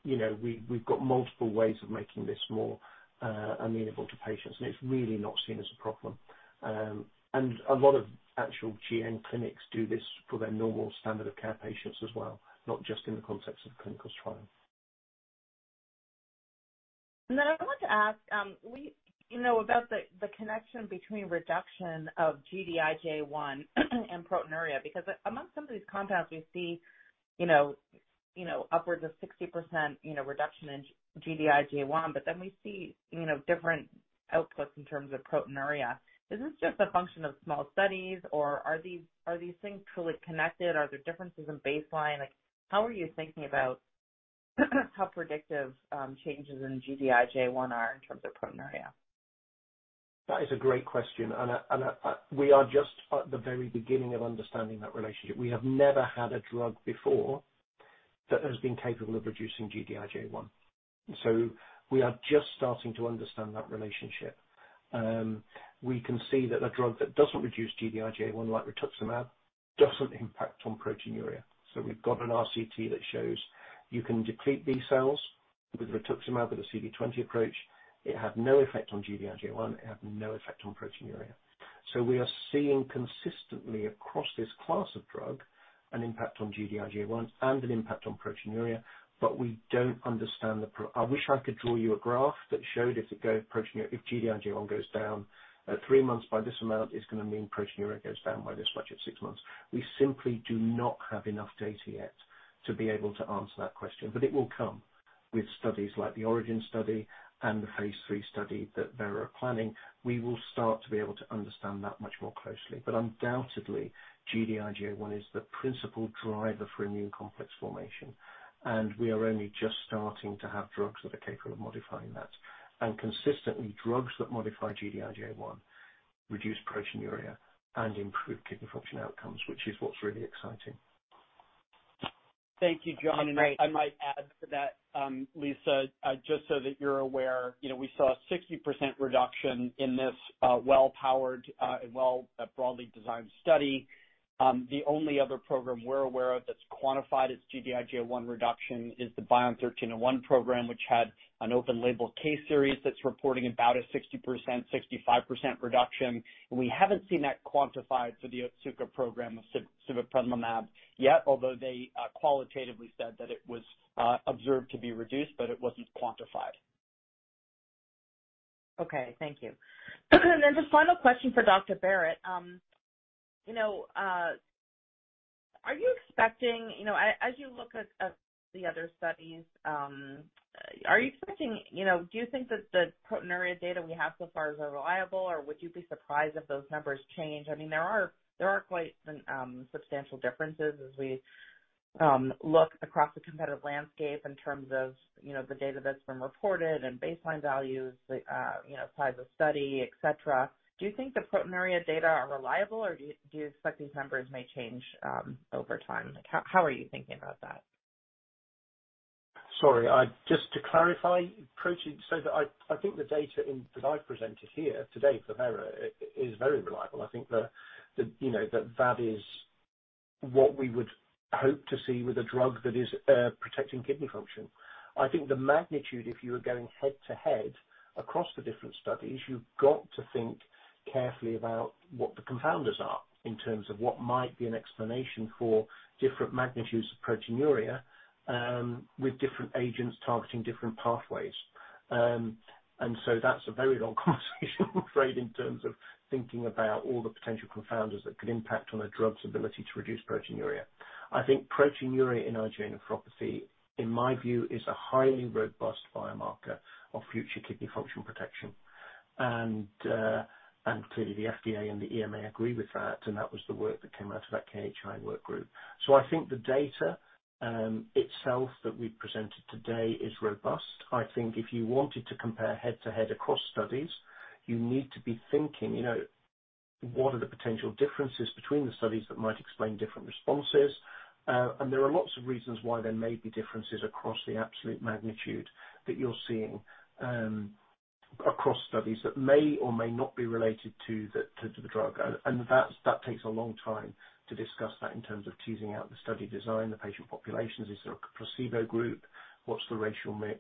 S3: you know, we've got multiple ways of making this more amenable to patients, and it's really not seen as a problem. A lot of actual GN clinics do this for their normal standard of care patients as well, not just in the context of clinical trials.
S5: I want to ask, you know, about the connection between reduction of Gd-IgA1 and proteinuria, because amongst some of these compounds, we see, you know, upwards of 60%, you know, reduction in Gd-IgA1, but then we see, you know, different outputs in terms of proteinuria. Is this just a function of small studies, or are these things truly connected? Are there differences in baseline? Like, how are you thinking about how predictive, changes in Gd-IgA1 are in terms of proteinuria?
S3: That is a great question, we are just at the very beginning of understanding that relationship. We have never had a drug before that has been capable of reducing Gd-IgA1. We are just starting to understand that relationship. We can see that a drug that doesn't reduce Gd-IgA1, like rituximab, doesn't impact on proteinuria. We've got an RCT that shows you can deplete B cells with rituximab, with a CD20 approach. It had no effect on Gd-IgA1, it had no effect on proteinuria. We are seeing consistently across this class of drug an impact on Gd-IgA1 and an impact on proteinuria, but we don't understand the pro... I wish I could draw you a graph that showed if it go proteinuria, if Gd-IgA1 goes down at three months by this amount, it's gonna mean proteinuria goes down by this much at six months. We simply do not have enough data yet to be able to answer that question. It will come with studies like the ORIGIN study and the phase III study that Vera are planning. We will start to be able to understand that much more closely. Undoubtedly, Gd-IgA1 is the principal driver for immune complex formation, and we are only just starting to have drugs that are capable of modifying that. Consistently, drugs that modify Gd-IgA1 reduce proteinuria and improve kidney function outcomes, which is what's really exciting.
S2: Thank you, Jon.
S3: That's great.
S2: I might add to that, Liisa, just so that you're aware, you know, we saw a 60% reduction in this well-powered and well broadly designed study. The only other program we're aware of that's quantified its Gd-IgA1 reduction is the BION-1301 program, which had an open label K series that's reporting about a 60%-65% reduction. We haven't seen that quantified for the Otsuka program of sibeprenlimab yet, although they qualitatively said that it was observed to be reduced, but it wasn't quantified.
S5: Okay. Thank you. Just final question for Dr. Barratt. You know, are you expecting, you know, as you look at the other studies, are you expecting, you know, do you think that the proteinuria data we have so far is reliable, or would you be surprised if those numbers change? I mean, there are quite substantial differences as we look across the competitive landscape in terms of, you know, the data that's been reported and baseline values, the size of study, et cetera. Do you think the proteinuria data are reliable, or do you expect these numbers may change over time? Like how are you thinking about that?
S3: Sorry. Just to clarify, protein. I think the data that I've presented here today for Vera is very reliable. I think the, you know, that is what we would hope to see with a drug that is protecting kidney function. I think the magnitude, if you were going head-to-head across the different studies, you've got to think carefully about what the confounders are in terms of what might be an explanation for different magnitudes of proteinuria with different agents targeting different pathways. That's a very long conversation, I'm afraid, in terms of thinking about all the potential confounders that could impact on a drug's ability to reduce proteinuria. I think proteinuria in IgA nephropathy, in my view, is a highly robust biomarker of future kidney function protection. Clearly, the FDA and the EMA agree with that, and that was the work that came out of that KHI work group. I think the data itself that we presented today is robust. I think if you wanted to compare head-to-head across studies, you need to be thinking, you know, what are the potential differences between the studies that might explain different responses? There are lots of reasons why there may be differences across the absolute magnitude that you're seeing across studies that may or may not be related to the drug. That's, that takes a long time to discuss that in terms of teasing out the study design, the patient populations. Is there a placebo group? What's the racial mix?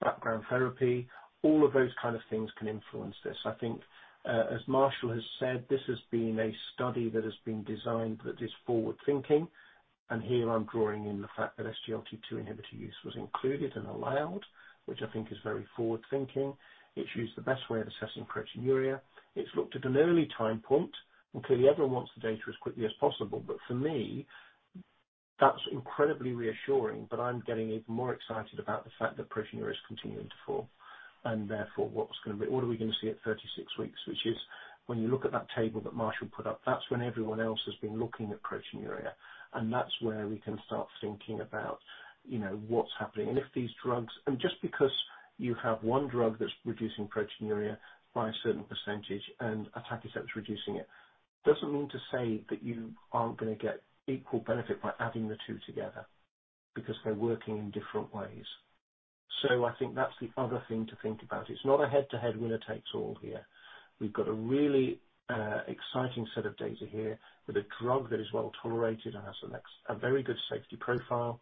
S3: Background therapy. All of those kind of things can influence this. I think, as Marshall has said, this has been a study that has been designed that is forward-thinking. Here I'm drawing in the fact that SGLT2 inhibitor use was included and allowed, which I think is very forward-thinking. It's used the best way of assessing proteinuria. It's looked at an early time point, and clearly everyone wants the data as quickly as possible, but for me, that's incredibly reassuring. I'm getting even more excited about the fact that proteinuria is continuing to fall and therefore What are we gonna see at 36 weeks, which is when you look at that table that Marshall put up, that's when everyone else has been looking at proteinuria, and that's where we can start thinking about, you know, what's happening. If these drugs... Just because you have one drug that's reducing proteinuria by a certain percentage and atacicept's reducing it, doesn't mean to say that you aren't gonna get equal benefit by adding the two together because they're working in different ways. I think that's the other thing to think about. It's not a head-to-head winner takes all here. We've got a really exciting set of data here with a drug that is well-tolerated and has a very good safety profile.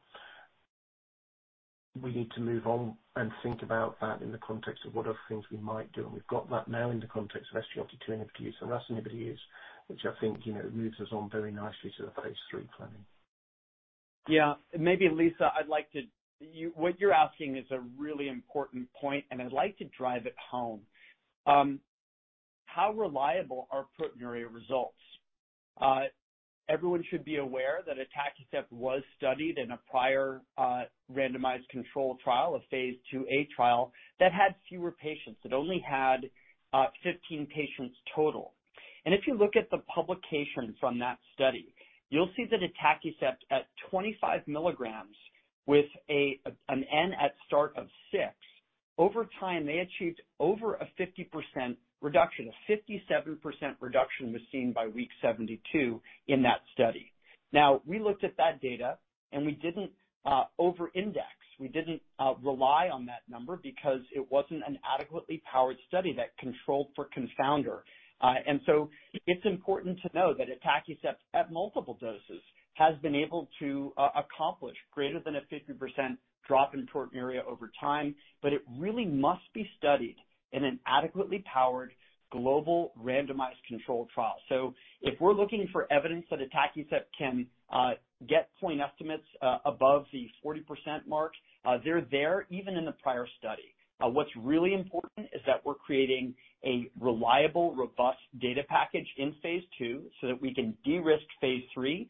S3: We need to move on and think about that in the context of what other things we might do, and we've got that now in the context of SGLT2 inhibitors and RAS inhibitors, which I think, you know, moves us on very nicely to the phase III planning.
S2: Yeah. Maybe Liisa, I'd like to. What you're asking is a really important point, and I'd like to drive it home. How reliable are proteinuria results? Everyone should be aware that atacicept was studied in a prior randomized controlled trial, a phase IIa trial, that had fewer patients. It only had 15 patients total. If you look at the publication from that study, you'll see that atacicept at 25 milligrams with an N at start of 6, over time, they achieved over a 50% reduction. A 57% reduction was seen by week 72 in that study. We looked at that data, and we didn't over-index. We didn't rely on that number because it wasn't an adequately powered study that controlled for confounder. It's important to know that atacicept at multiple doses has been able to accomplish greater than a 50% drop in proteinuria over time, but it really must be studied in an adequately powered global randomized controlled trial. If we're looking for evidence that atacicept can get point estimates above the 40% mark, they're there even in the prior study. What's really important is that we're creating a reliable, robust data package in phase II so that we can de-risk phase III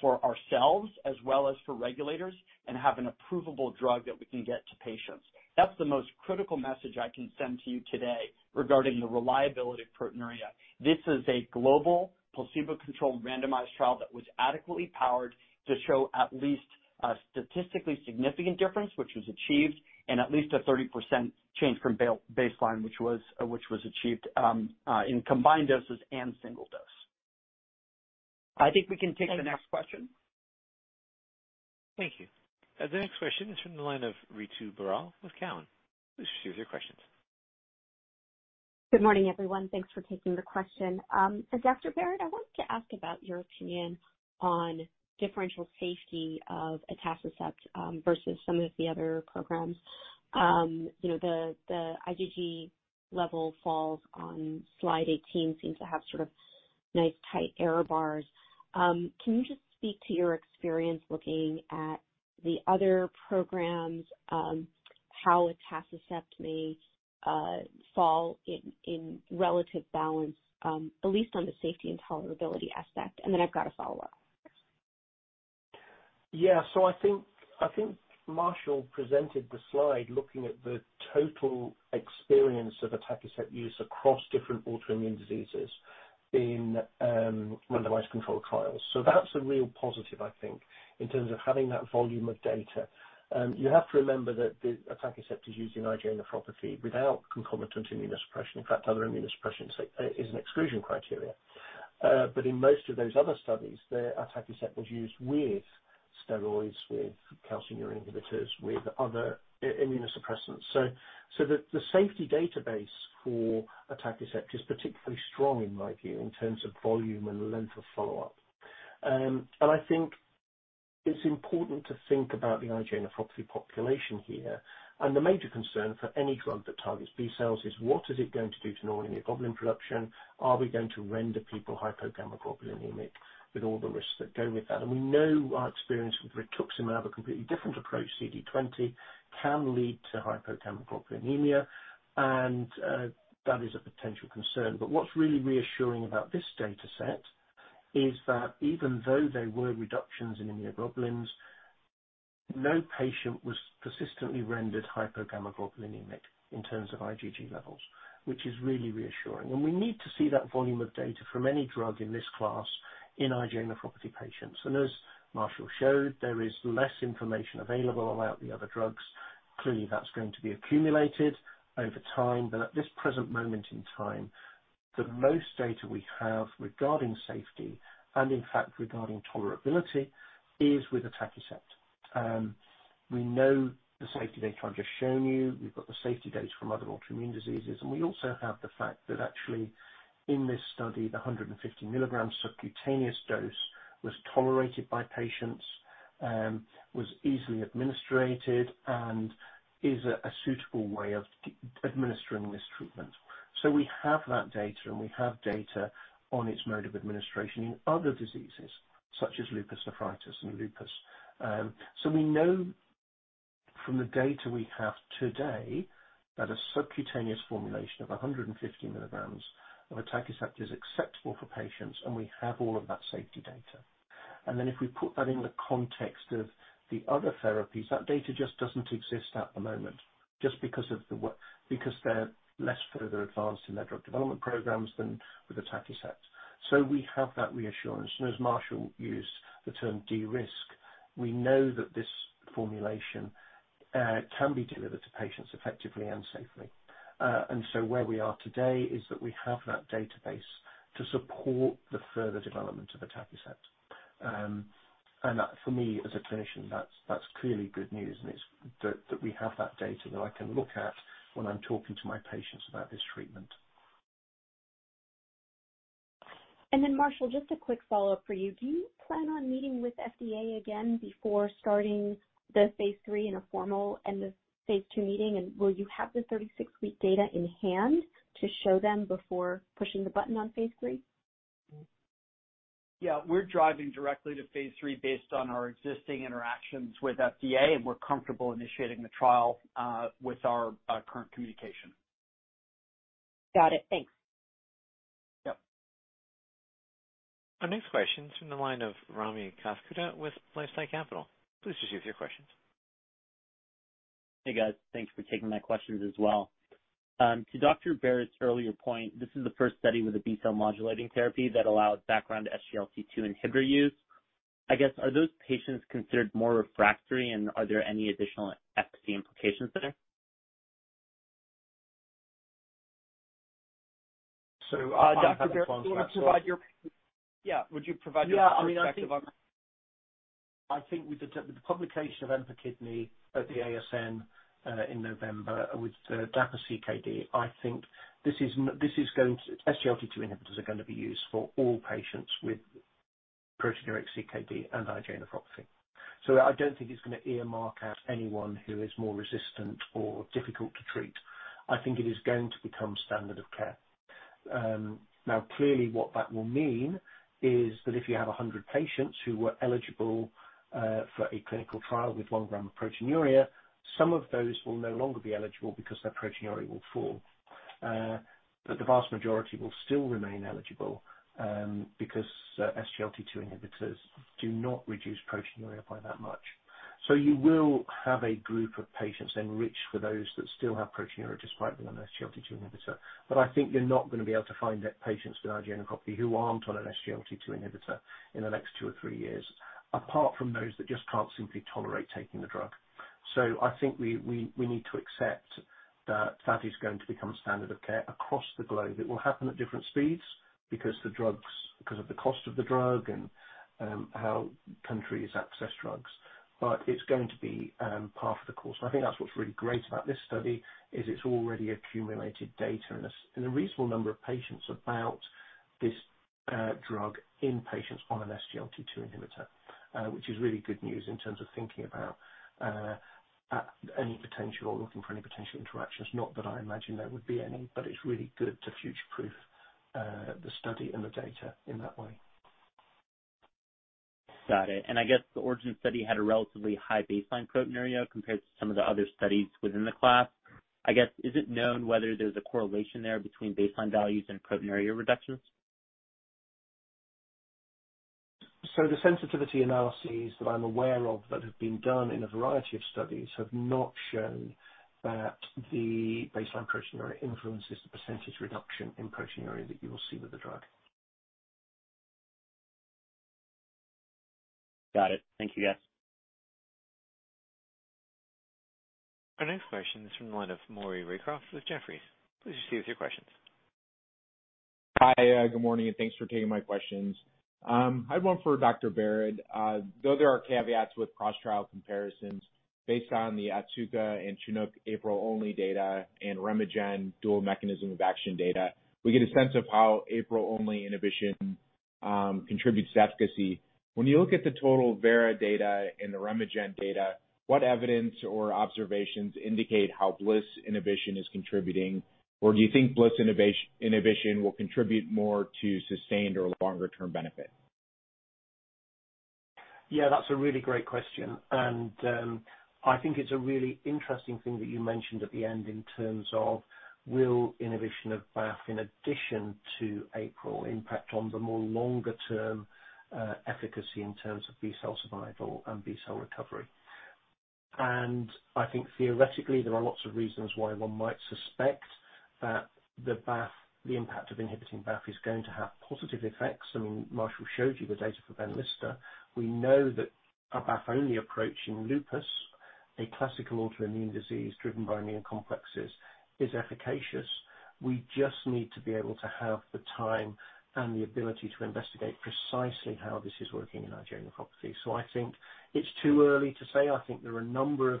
S2: for ourselves as well as for regulators and have an approvable drug that we can get to patients. That's the most critical message I can send to you today regarding the reliability of proteinuria. This is a global placebo-controlled randomized trial that was adequately powered to show at least a statistically significant difference, which was achieved, and at least a 30% change from baseline, which was achieved in combined doses and single dose. I think we can take the next question.
S1: Thank you. The next question is from the line of Ritu Baral with Cowen. Please share your questions.
S6: Good morning, everyone. Thanks for taking the question. Dr. Barratt, I wanted to ask about your opinion on differential safety of atacicept vs some of the other programs. You know, the IgG level falls on slide 18 seems to have sort of nice tight error bars. Can you just speak to your experience looking at the other programs, how atacicept may fall in relative balance, at least on the safety and tolerability aspect? I've got a follow-up.
S3: Yeah. I think Marshall presented the slide looking at the total experience of atacicept use across different autoimmune diseases in randomized controlled trials. That's a real positive, I think, in terms of having that volume of data. You have to remember that the atacicept is used in IgA nephropathy without concomitant immunosuppression. In fact, other immunosuppression is an exclusion criteria. In most of those other studies, the atacicept was used with steroids, with calcineurin inhibitors, with other immunosuppressants. The safety database for atacicept is particularly strong in my view, in terms of volume and length of follow-up. I think it's important to think about the IgA nephropathy population here. The major concern for any drug that targets B cells is what is it going to do to normal immunoglobulin production? Are we going to render people hypogammaglobulinemic with all the risks that go with that? We know our experience with rituximab, a completely different approach, CD20, can lead to hypogammaglobulinemia, that is a potential concern. What's really reassuring about this data set is that even though there were reductions in immunoglobulins, no patient was persistently rendered hypogammaglobulinemic in terms of IgG levels, which is really reassuring. We need to see that volume of data from any drug in this class in IgA nephropathy patients. As Marshall showed, there is less information available about the other drugs. Clearly, that's going to be accumulated over time. At this present moment in time, the most data we have regarding safety and in fact regarding tolerability is with atacicept. We know the safety data I've just shown you. We've got the safety data from other autoimmune diseases. We also have the fact that actually in this study, the 150 milligrams subcutaneous dose was tolerated by patients, was easily administered and is a suitable way of administering this treatment. We have that data. We have data on its mode of administration in other diseases such as lupus nephritis and lupus. We know from the data we have today that a subcutaneous formulation of 150 milligrams of atacicept is acceptable for patients. We have all of that safety data. If we put that in the context of the other therapies, that data just doesn't exist at the moment just because they're less further advanced in their drug development programs than with atacicept. We have that reassurance. As Marshall used the term de-risk, we know that this formulation can be delivered to patients effectively and safely. Where we are today is that we have that database to support the further development of atacicept. That for me as a clinician, that's clearly good news, and it's that we have that data that I can look at when I'm talking to my patients about this treatment.
S6: Marshall, just a quick follow-up for you. Do you plan on meeting with FDA again before starting the phase III in a formal end of phase II meeting, and will you have the 36-week data in hand to show them before pushing the button on phase III?
S2: We're driving directly to phase III based on our existing interactions with FDA, and we're comfortable initiating the trial with our current communication.
S6: Got it. Thanks.
S2: Yep.
S1: Our next question's from the line of Rami Katkhuda with LifeSci Capital. Please proceed with your questions.
S7: Hey, guys. Thanks for taking my questions as well. To Dr. Barratt's earlier point, this is the first study with a B-cell modulating therapy that allows background SGLT2 inhibitor use. I guess, are those patients considered more refractory, and are there any additional efficacy implications there?
S3: I'll have.
S2: Dr. Barratt. Yeah. Would you provide your perspective on that?
S3: Yeah. I mean, I think, I think with the publication of EMPA-KIDNEY at the ASN, in November with the DAPA-CKD, SGLT2 inhibitors are gonna be used for all patients with proteinuria CKD and IgA nephropathy. I don't think it's gonna earmark out anyone who is more resistant or difficult to treat. I think it is going to become standard of care. Now clearly what that will mean is that if you have 100 patients who were eligible for a clinical trial with 1 gram of proteinuria, some of those will no longer be eligible because their proteinuria will fall. The vast majority will still remain eligible, because SGLT2 inhibitors do not reduce proteinuria by that much. You will have a group of patients enriched for those that still have proteinuria despite being on an SGLT2 inhibitor, but I think you're not gonna be able to find patients with IgA nephropathy who aren't on an SGLT2 inhibitor in the next two or three years, apart from those that just can't simply tolerate taking the drug. I think we need to accept that that is going to become standard of care across the globe. It will happen at different speeds because the drugs, 'cause of the cost of the drug and how countries access drugs, but it's going to be par for the course. I think that's what's really great about this study, is it's already accumulated data in a reasonable number of patients about this drug in patients on an SGLT2 inhibitor, which is really good news in terms of thinking about at any potential or looking for any potential interactions. Not that I imagine there would be any, but it's really good to future-proof the study and the data in that way.
S7: Got it. I guess the ORIGIN study had a relatively high baseline proteinuria compared to some of the other studies within the class. I guess, is it known whether there's a correlation there between baseline values and proteinuria reductions?
S3: The sensitivity analyses that I'm aware of that have been done in a variety of studies have not shown that the baseline proteinuria influences the % reduction in proteinuria that you will see with the drug.
S7: Got it. Thank you, guys.
S1: Our next question is from the line of Maury Raycroft with Jefferies. Please proceed with your questions.
S8: Hi, good morning, and thanks for taking my questions. I have one for Dr. Barratt. Though there are caveats with cross-trial comparisons based on the Otsuka and Chinook APRIL-only data and RemeGen dual mechanism of action data, we get a sense of how APRIL-only inhibition contributes to efficacy. When you look at the total Vera data and the RemeGen data, what evidence or observations indicate how BLyS inhibition is contributing, or do you think BLyS inhibition will contribute more to sustained or longer-term benefit?
S3: Yeah, that's a really great question. I think it's a really interesting thing that you mentioned at the end in terms of will inhibition of BAFF in addition to APRIL impact on the more longer-term efficacy in terms of B-cell survival and B-cell recovery. I think theoretically there are lots of reasons why one might suspect that the BAFF, the impact of inhibiting BAFF is going to have positive effects. I mean, Marshall showed you the data for Benlysta. We know that a BAFF-only approach in lupus, a classical autoimmune disease driven by immune complexes, is efficacious. We just need to be able to have the time and the ability to investigate precisely how this is working in IgA nephropathy. I think it's too early to say. I think there are a number of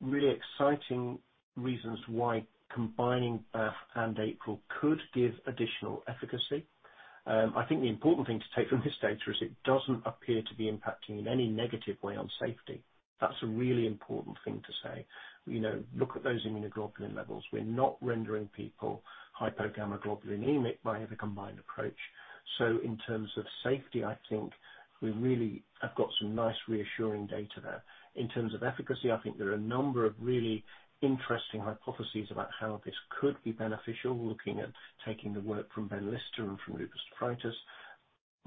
S3: Really exciting reasons why combining BAFF and APRIL could give additional efficacy. I think the important thing to take from this data is it doesn't appear to be impacting in any negative way on safety. That's a really important thing to say. You know, look at those immunoglobulin levels. We're not rendering people hypogammaglobulinemic by the combined approach. In terms of safety, I think we really have got some nice reassuring data there. In terms of efficacy, I think there are a number of really interesting hypotheses about how this could be beneficial, looking at taking the work from Benlysta and from lupus nephritis.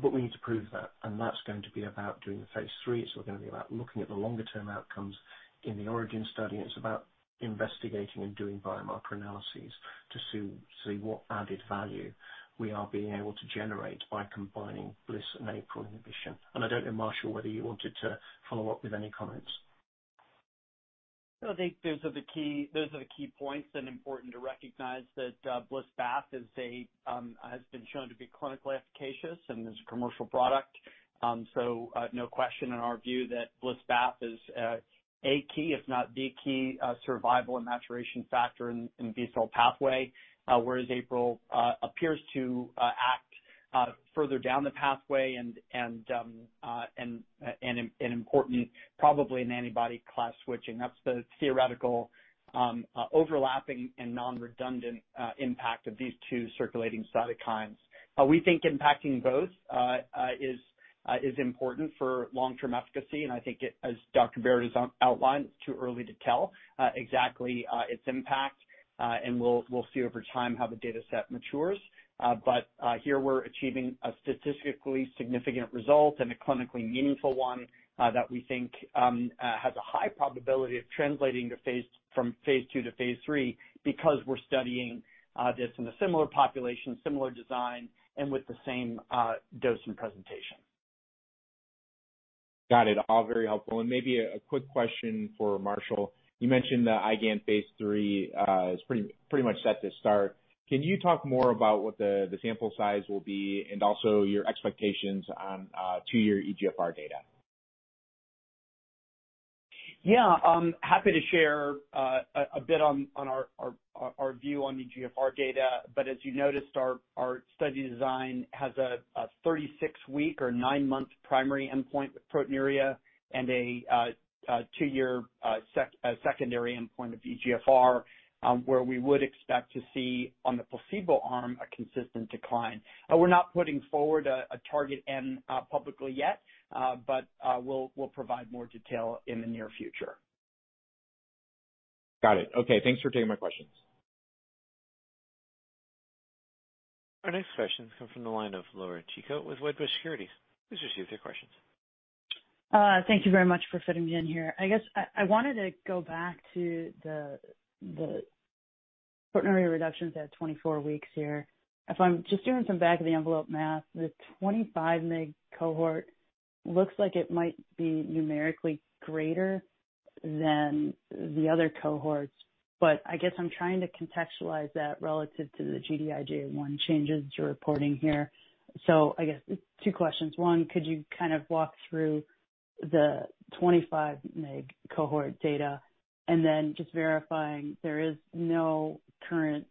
S3: We need to prove that, and that's going to be about doing the phase III. It's all going to be about looking at the longer-term outcomes in the ORIGIN study. It's about investigating and doing biomarker analyses to see what added value we are being able to generate by combining BLyS and APRIL inhibition. I don't know, Marshall, whether you wanted to follow up with any comments.
S2: No, I think those are the key points, and important to recognize that, BLyS BAFF is a has been shown to be clinically efficacious and is a commercial product. No question in our view that BLyS BAFF is a key, if not the key, survival and maturation factor in B-cell pathway. Whereas APRIL appears to act further down the pathway and important probably in antibody class switching. That's the theoretical overlapping and non-redundant impact of these two circulating cytokines. We think impacting both is important for long-term efficacy, and I think it, as Dr. Barratt has outlined, it's too early to tell exactly its impact. We'll see over time how the data set matures. Here we're achieving a statistically significant result and a clinically meaningful one, that we think has a high probability of translating from phase II to phase III because we're studying this in a similar population, similar design, and with the same dose and presentation.
S8: Got it. All very helpful. Maybe a quick question for Marshall. You mentioned the IgAN phase III is pretty much set to start. Can you talk more about what the sample size will be and also your expectations on two-year eGFR data?
S2: Yeah. I'm happy to share a bit on our view on eGFR data. As you noticed, our study design has a 36-week or nine-month primary endpoint with proteinuria and a two-year secondary endpoint of eGFR, where we would expect to see on the placebo arm a consistent decline. We're not putting forward a target N publicly yet, but we'll provide more detail in the near future.
S8: Got it. Okay. Thanks for taking my questions.
S1: Our next question comes from the line of Laura Chico with Wedbush Securities. Please proceed with your questions.
S9: Thank you very much for fitting me in here. I guess I wanted to go back to the proteinuria reductions at 24 weeks here. If I'm just doing some back of the envelope math, the 25 mg cohort looks like it might be numerically greater than the other cohorts, but I guess I'm trying to contextualize that relative to the Gd-IgA1 changes you're reporting here. So I guess it's two questions. One, could you kind of walk through the 25 mg cohort data? And then just verifying there is no current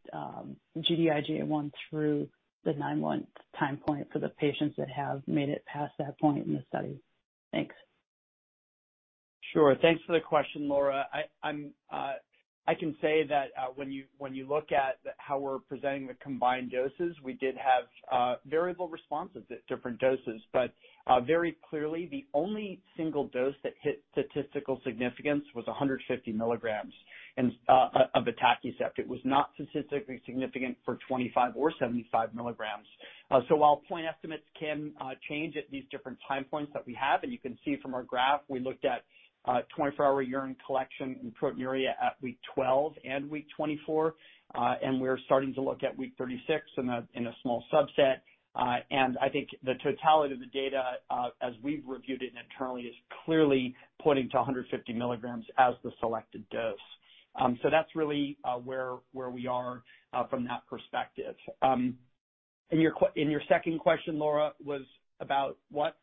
S9: Gd-IgA1 through the nine-month time point for the patients that have made it past that point in the study. Thanks.
S2: Sure. Thanks for the question, Laura. I can say that when you look at how we're presenting the combined doses, we did have variable responses at different doses. Very clearly, the only single dose that hit statistical significance was 150 milligrams of atacicept. It was not statistically significant for 25 or 75 milligrams. While point estimates can change at these different time points that we have, and you can see from our graph, we looked at 24-hour urine collection and proteinuria at week 12 and week 24. We're starting to look at week 36 in a small subset. I think the totality of the data as we've reviewed it internally, is clearly pointing to 150 milligrams as the selected dose. That's really, where we are, from that perspective. Your second question, Laura, was about what?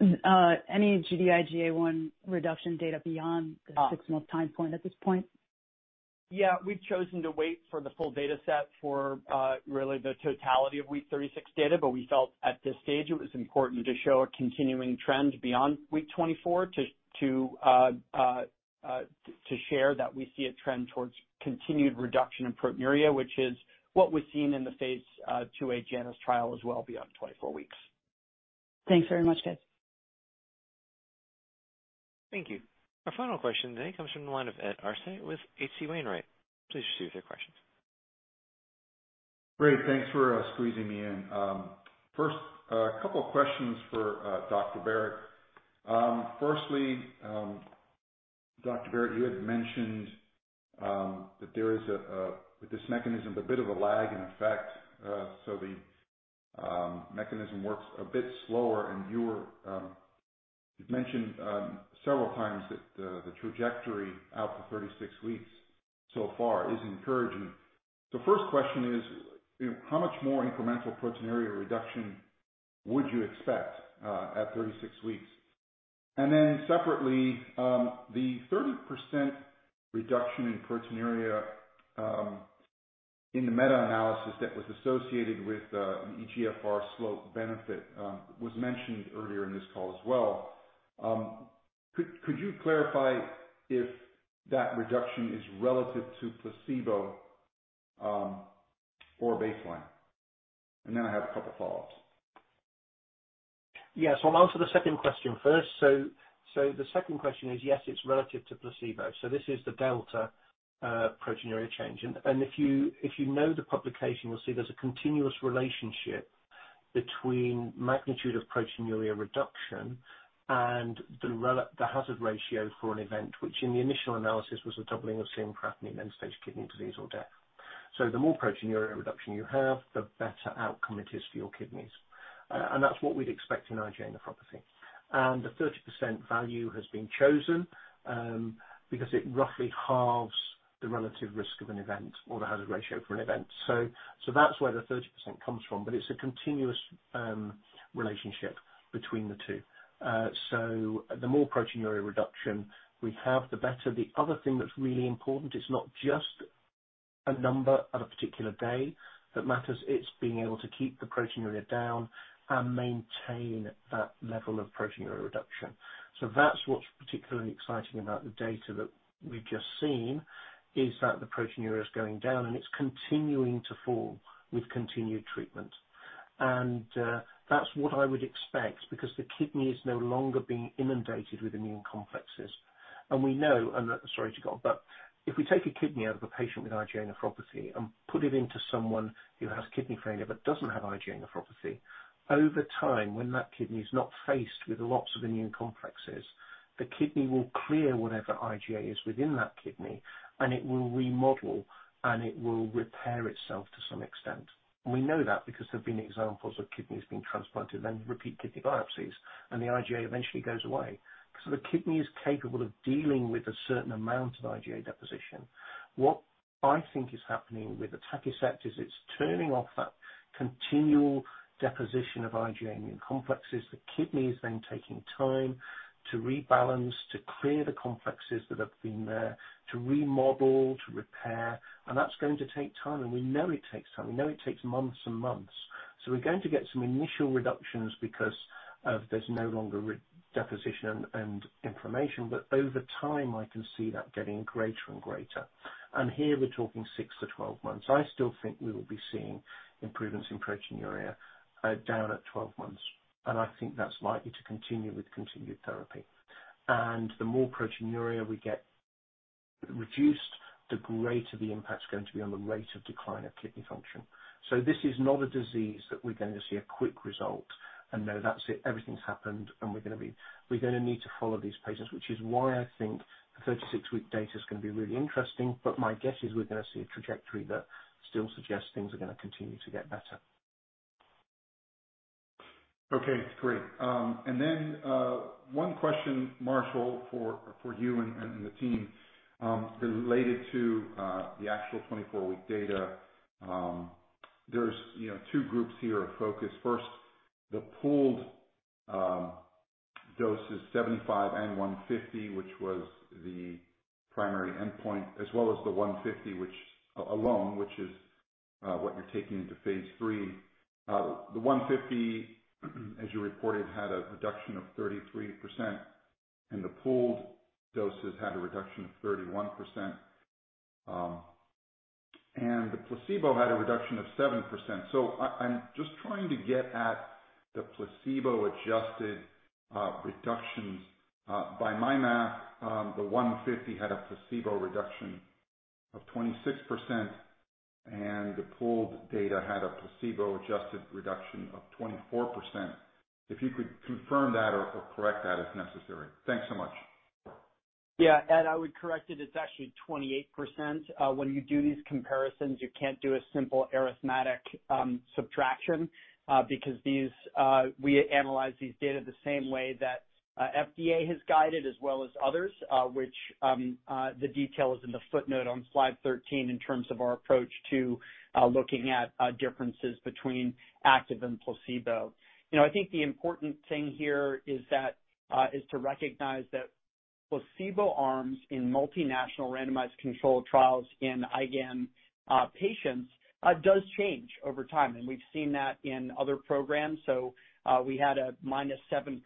S9: Any Gd-IgA1 reduction data?
S2: Ah.
S9: the six-month time point at this point?
S2: We've chosen to wait for the full data set for really the totality of week 36 data. We felt at this stage it was important to show a continuing trend beyond week 24 to share that we see a trend towards continued reduction in proteinuria, which is what we're seeing in the phase IIa JANUS trial as well beyond 24 weeks.
S9: Thanks very much, guys.
S1: Thank you. Our final question today comes from the line of Ed Arce with H.C. Wainwright. Please proceed with your questions.
S10: Great. Thanks for squeezing me in. First, a couple of questions for Dr. Barratt. Firstly, Dr. Barratt, you had mentioned that there is a, with this mechanism, a bit of a lag in effect, so the mechanism works a bit slower, and you've mentioned several times that the trajectory out to 36 weeks so far is encouraging. First question is, how much more incremental proteinuria reduction would you expect at 36 weeks? Separately, the 30% reduction in proteinuria in the meta-analysis that was associated with an eGFR slope benefit was mentioned earlier in this call as well. Could you clarify if that reduction is relative to placebo or baseline? I have a couple follow-ups.
S3: Yes, I'll answer the second question first. The second question is yes, it's relative to placebo. This is the delta, proteinuria change. If you know the publication, you'll see there's a continuous relationship between magnitude of proteinuria reduction and the hazard ratio for an event, which in the initial analysis was a doubling of serum creatinine, end-stage kidney disease or death. The more proteinuria reduction you have, the better outcome it is for your kidneys. That's what we'd expect in IgA nephropathy. The 30% value has been chosen because it roughly halves the relative risk of an event or the hazard ratio for an event. That's where the 30% comes from, but it's a continuous relationship between the two. The more proteinuria reduction we have, the better. The other thing that's really important, it's not just a number on a particular day that matters. It's being able to keep the proteinuria down and maintain that level of proteinuria reduction. That's what's particularly exciting about the data that we've just seen, is that the proteinuria is going down, and it's continuing to fall with continued treatment. That's what I would expect, because the kidney is no longer being inundated with immune complexes. We know, sorry to go on, if we take a kidney out of a patient with IgA nephropathy and put it into someone who has kidney failure but doesn't have IgA nephropathy, over time, when that kidney is not faced with lots of immune complexes, the kidney will clear whatever IgA is within that kidney, it will remodel, and it will repair itself to some extent. We know that because there have been examples of kidneys being transplanted, then repeat kidney biopsies, the IgA eventually goes away. The kidney is capable of dealing with a certain amount of IgA deposition. What I think is happening with atacicept is it's turning off that continual deposition of IgA immune complexes. The kidney is then taking time to rebalance, to clear the complexes that have been there, to remodel, to repair. That's going to take time, and we know it takes time. We know it takes months and months. We're going to get some initial reductions because there's no longer re- deposition and inflammation. Over time, I can see that getting greater and greater. Here we're talking six to 12 months. I still think we will be seeing improvements in proteinuria down at 12 months. I think that's likely to continue with continued therapy. The more proteinuria we get reduced, the greater the impact is going to be on the rate of decline of kidney function. This is not a disease that we're going to see a quick result, and then that's it. Everything's happened, we're gonna need to follow these patients, which is why I think the 36-week data is gonna be really interesting. My guess is we're gonna see a trajectory that still suggests things are gonna continue to get better.
S10: Okay, great. One question, Marshall, for you and the team, related to the actual 24-week data. There's, you know, two groups here of focus. First, the pooled doses 75 and 150, which was the primary endpoint, as well as the 150, which alone, which is what you're taking into phase III. The 150, as you reported, had a reduction of 33%, and the pooled doses had a reduction of 31%. The placebo had a reduction of 7%. I'm just trying to get at the placebo-adjusted reductions. My math, the 150 had a placebo reduction of 26%, and the pooled data had a placebo-adjusted reduction of 24%. If you could confirm that or correct that as necessary. Thanks so much.
S2: Yeah. Ed Arce, I would correct it. It's actually 28%. When you do these comparisons, you can't do a simple arithmetic subtraction, because these, we analyze these data the same way that FDA has guided as well as others, which, the detail is in the footnote on slide 13 in terms of our approach to looking at differences between active and placebo. You know, I think the important thing here is that is to recognize that placebo arms in multinational randomized controlled trials in IgAN patients does change over time. We've seen that in other programs. We had a minus 7%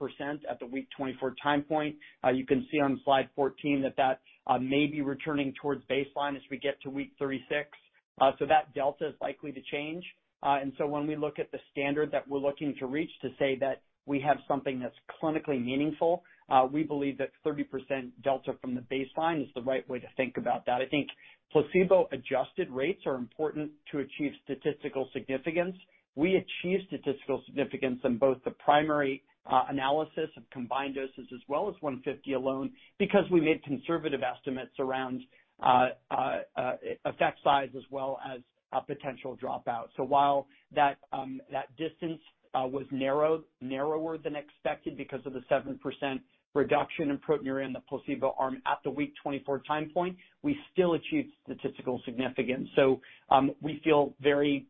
S2: at the week 24 time point. You can see on slide 14 that that may be returning towards baseline as we get to week 36. That delta is likely to change. When we look at the standard that we're looking to reach to say that we have something that's clinically meaningful, we believe that 30% delta from the baseline is the right way to think about that. I think placebo-adjusted rates are important to achieve statistical significance. We achieve statistical significance in both the primary analysis of combined doses as well as 150 alone because we made conservative estimates around effect size as well as a potential dropout. While that distance was narrowed, narrower than expected because of the 7% reduction in proteinuria in the placebo arm at the week 24 time point, we still achieved statistical significance. We feel very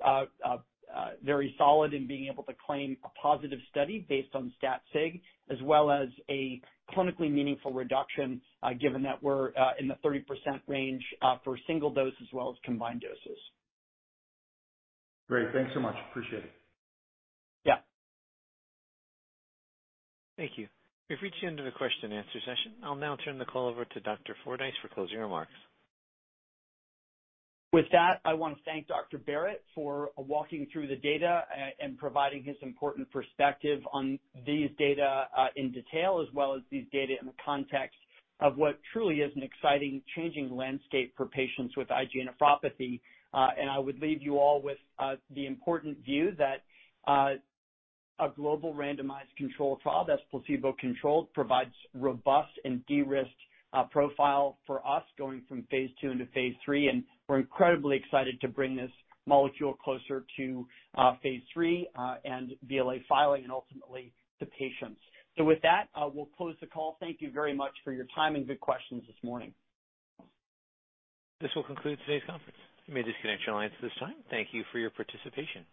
S2: solid in being able to claim a positive study based on stat sig as well as a clinically meaningful reduction, given that we're in the 30% range for single dose as well as combined doses.
S10: Great. Thanks so much. Appreciate it.
S2: Yeah.
S1: Thank you. We've reached the end of the question and answer session. I'll now turn the call over to Dr. Fordyce for closing remarks.
S2: With that, I want to thank Dr. Barratt for walking through the data and providing his important perspective on these data in detail, as well as these data in the context of what truly is an exciting changing landscape for patients with IgA nephropathy. I would leave you all with the important view that a global randomized control trial that's placebo-controlled provides robust and de-risked profile for us going from phase II into phase III. We're incredibly excited to bring this molecule closer to phase III and BLA filing and ultimately to patients. With that, we'll close the call. Thank you very much for your time and good questions this morning.
S1: This will conclude today's conference. You may disconnect your lines at this time. Thank you for your participation.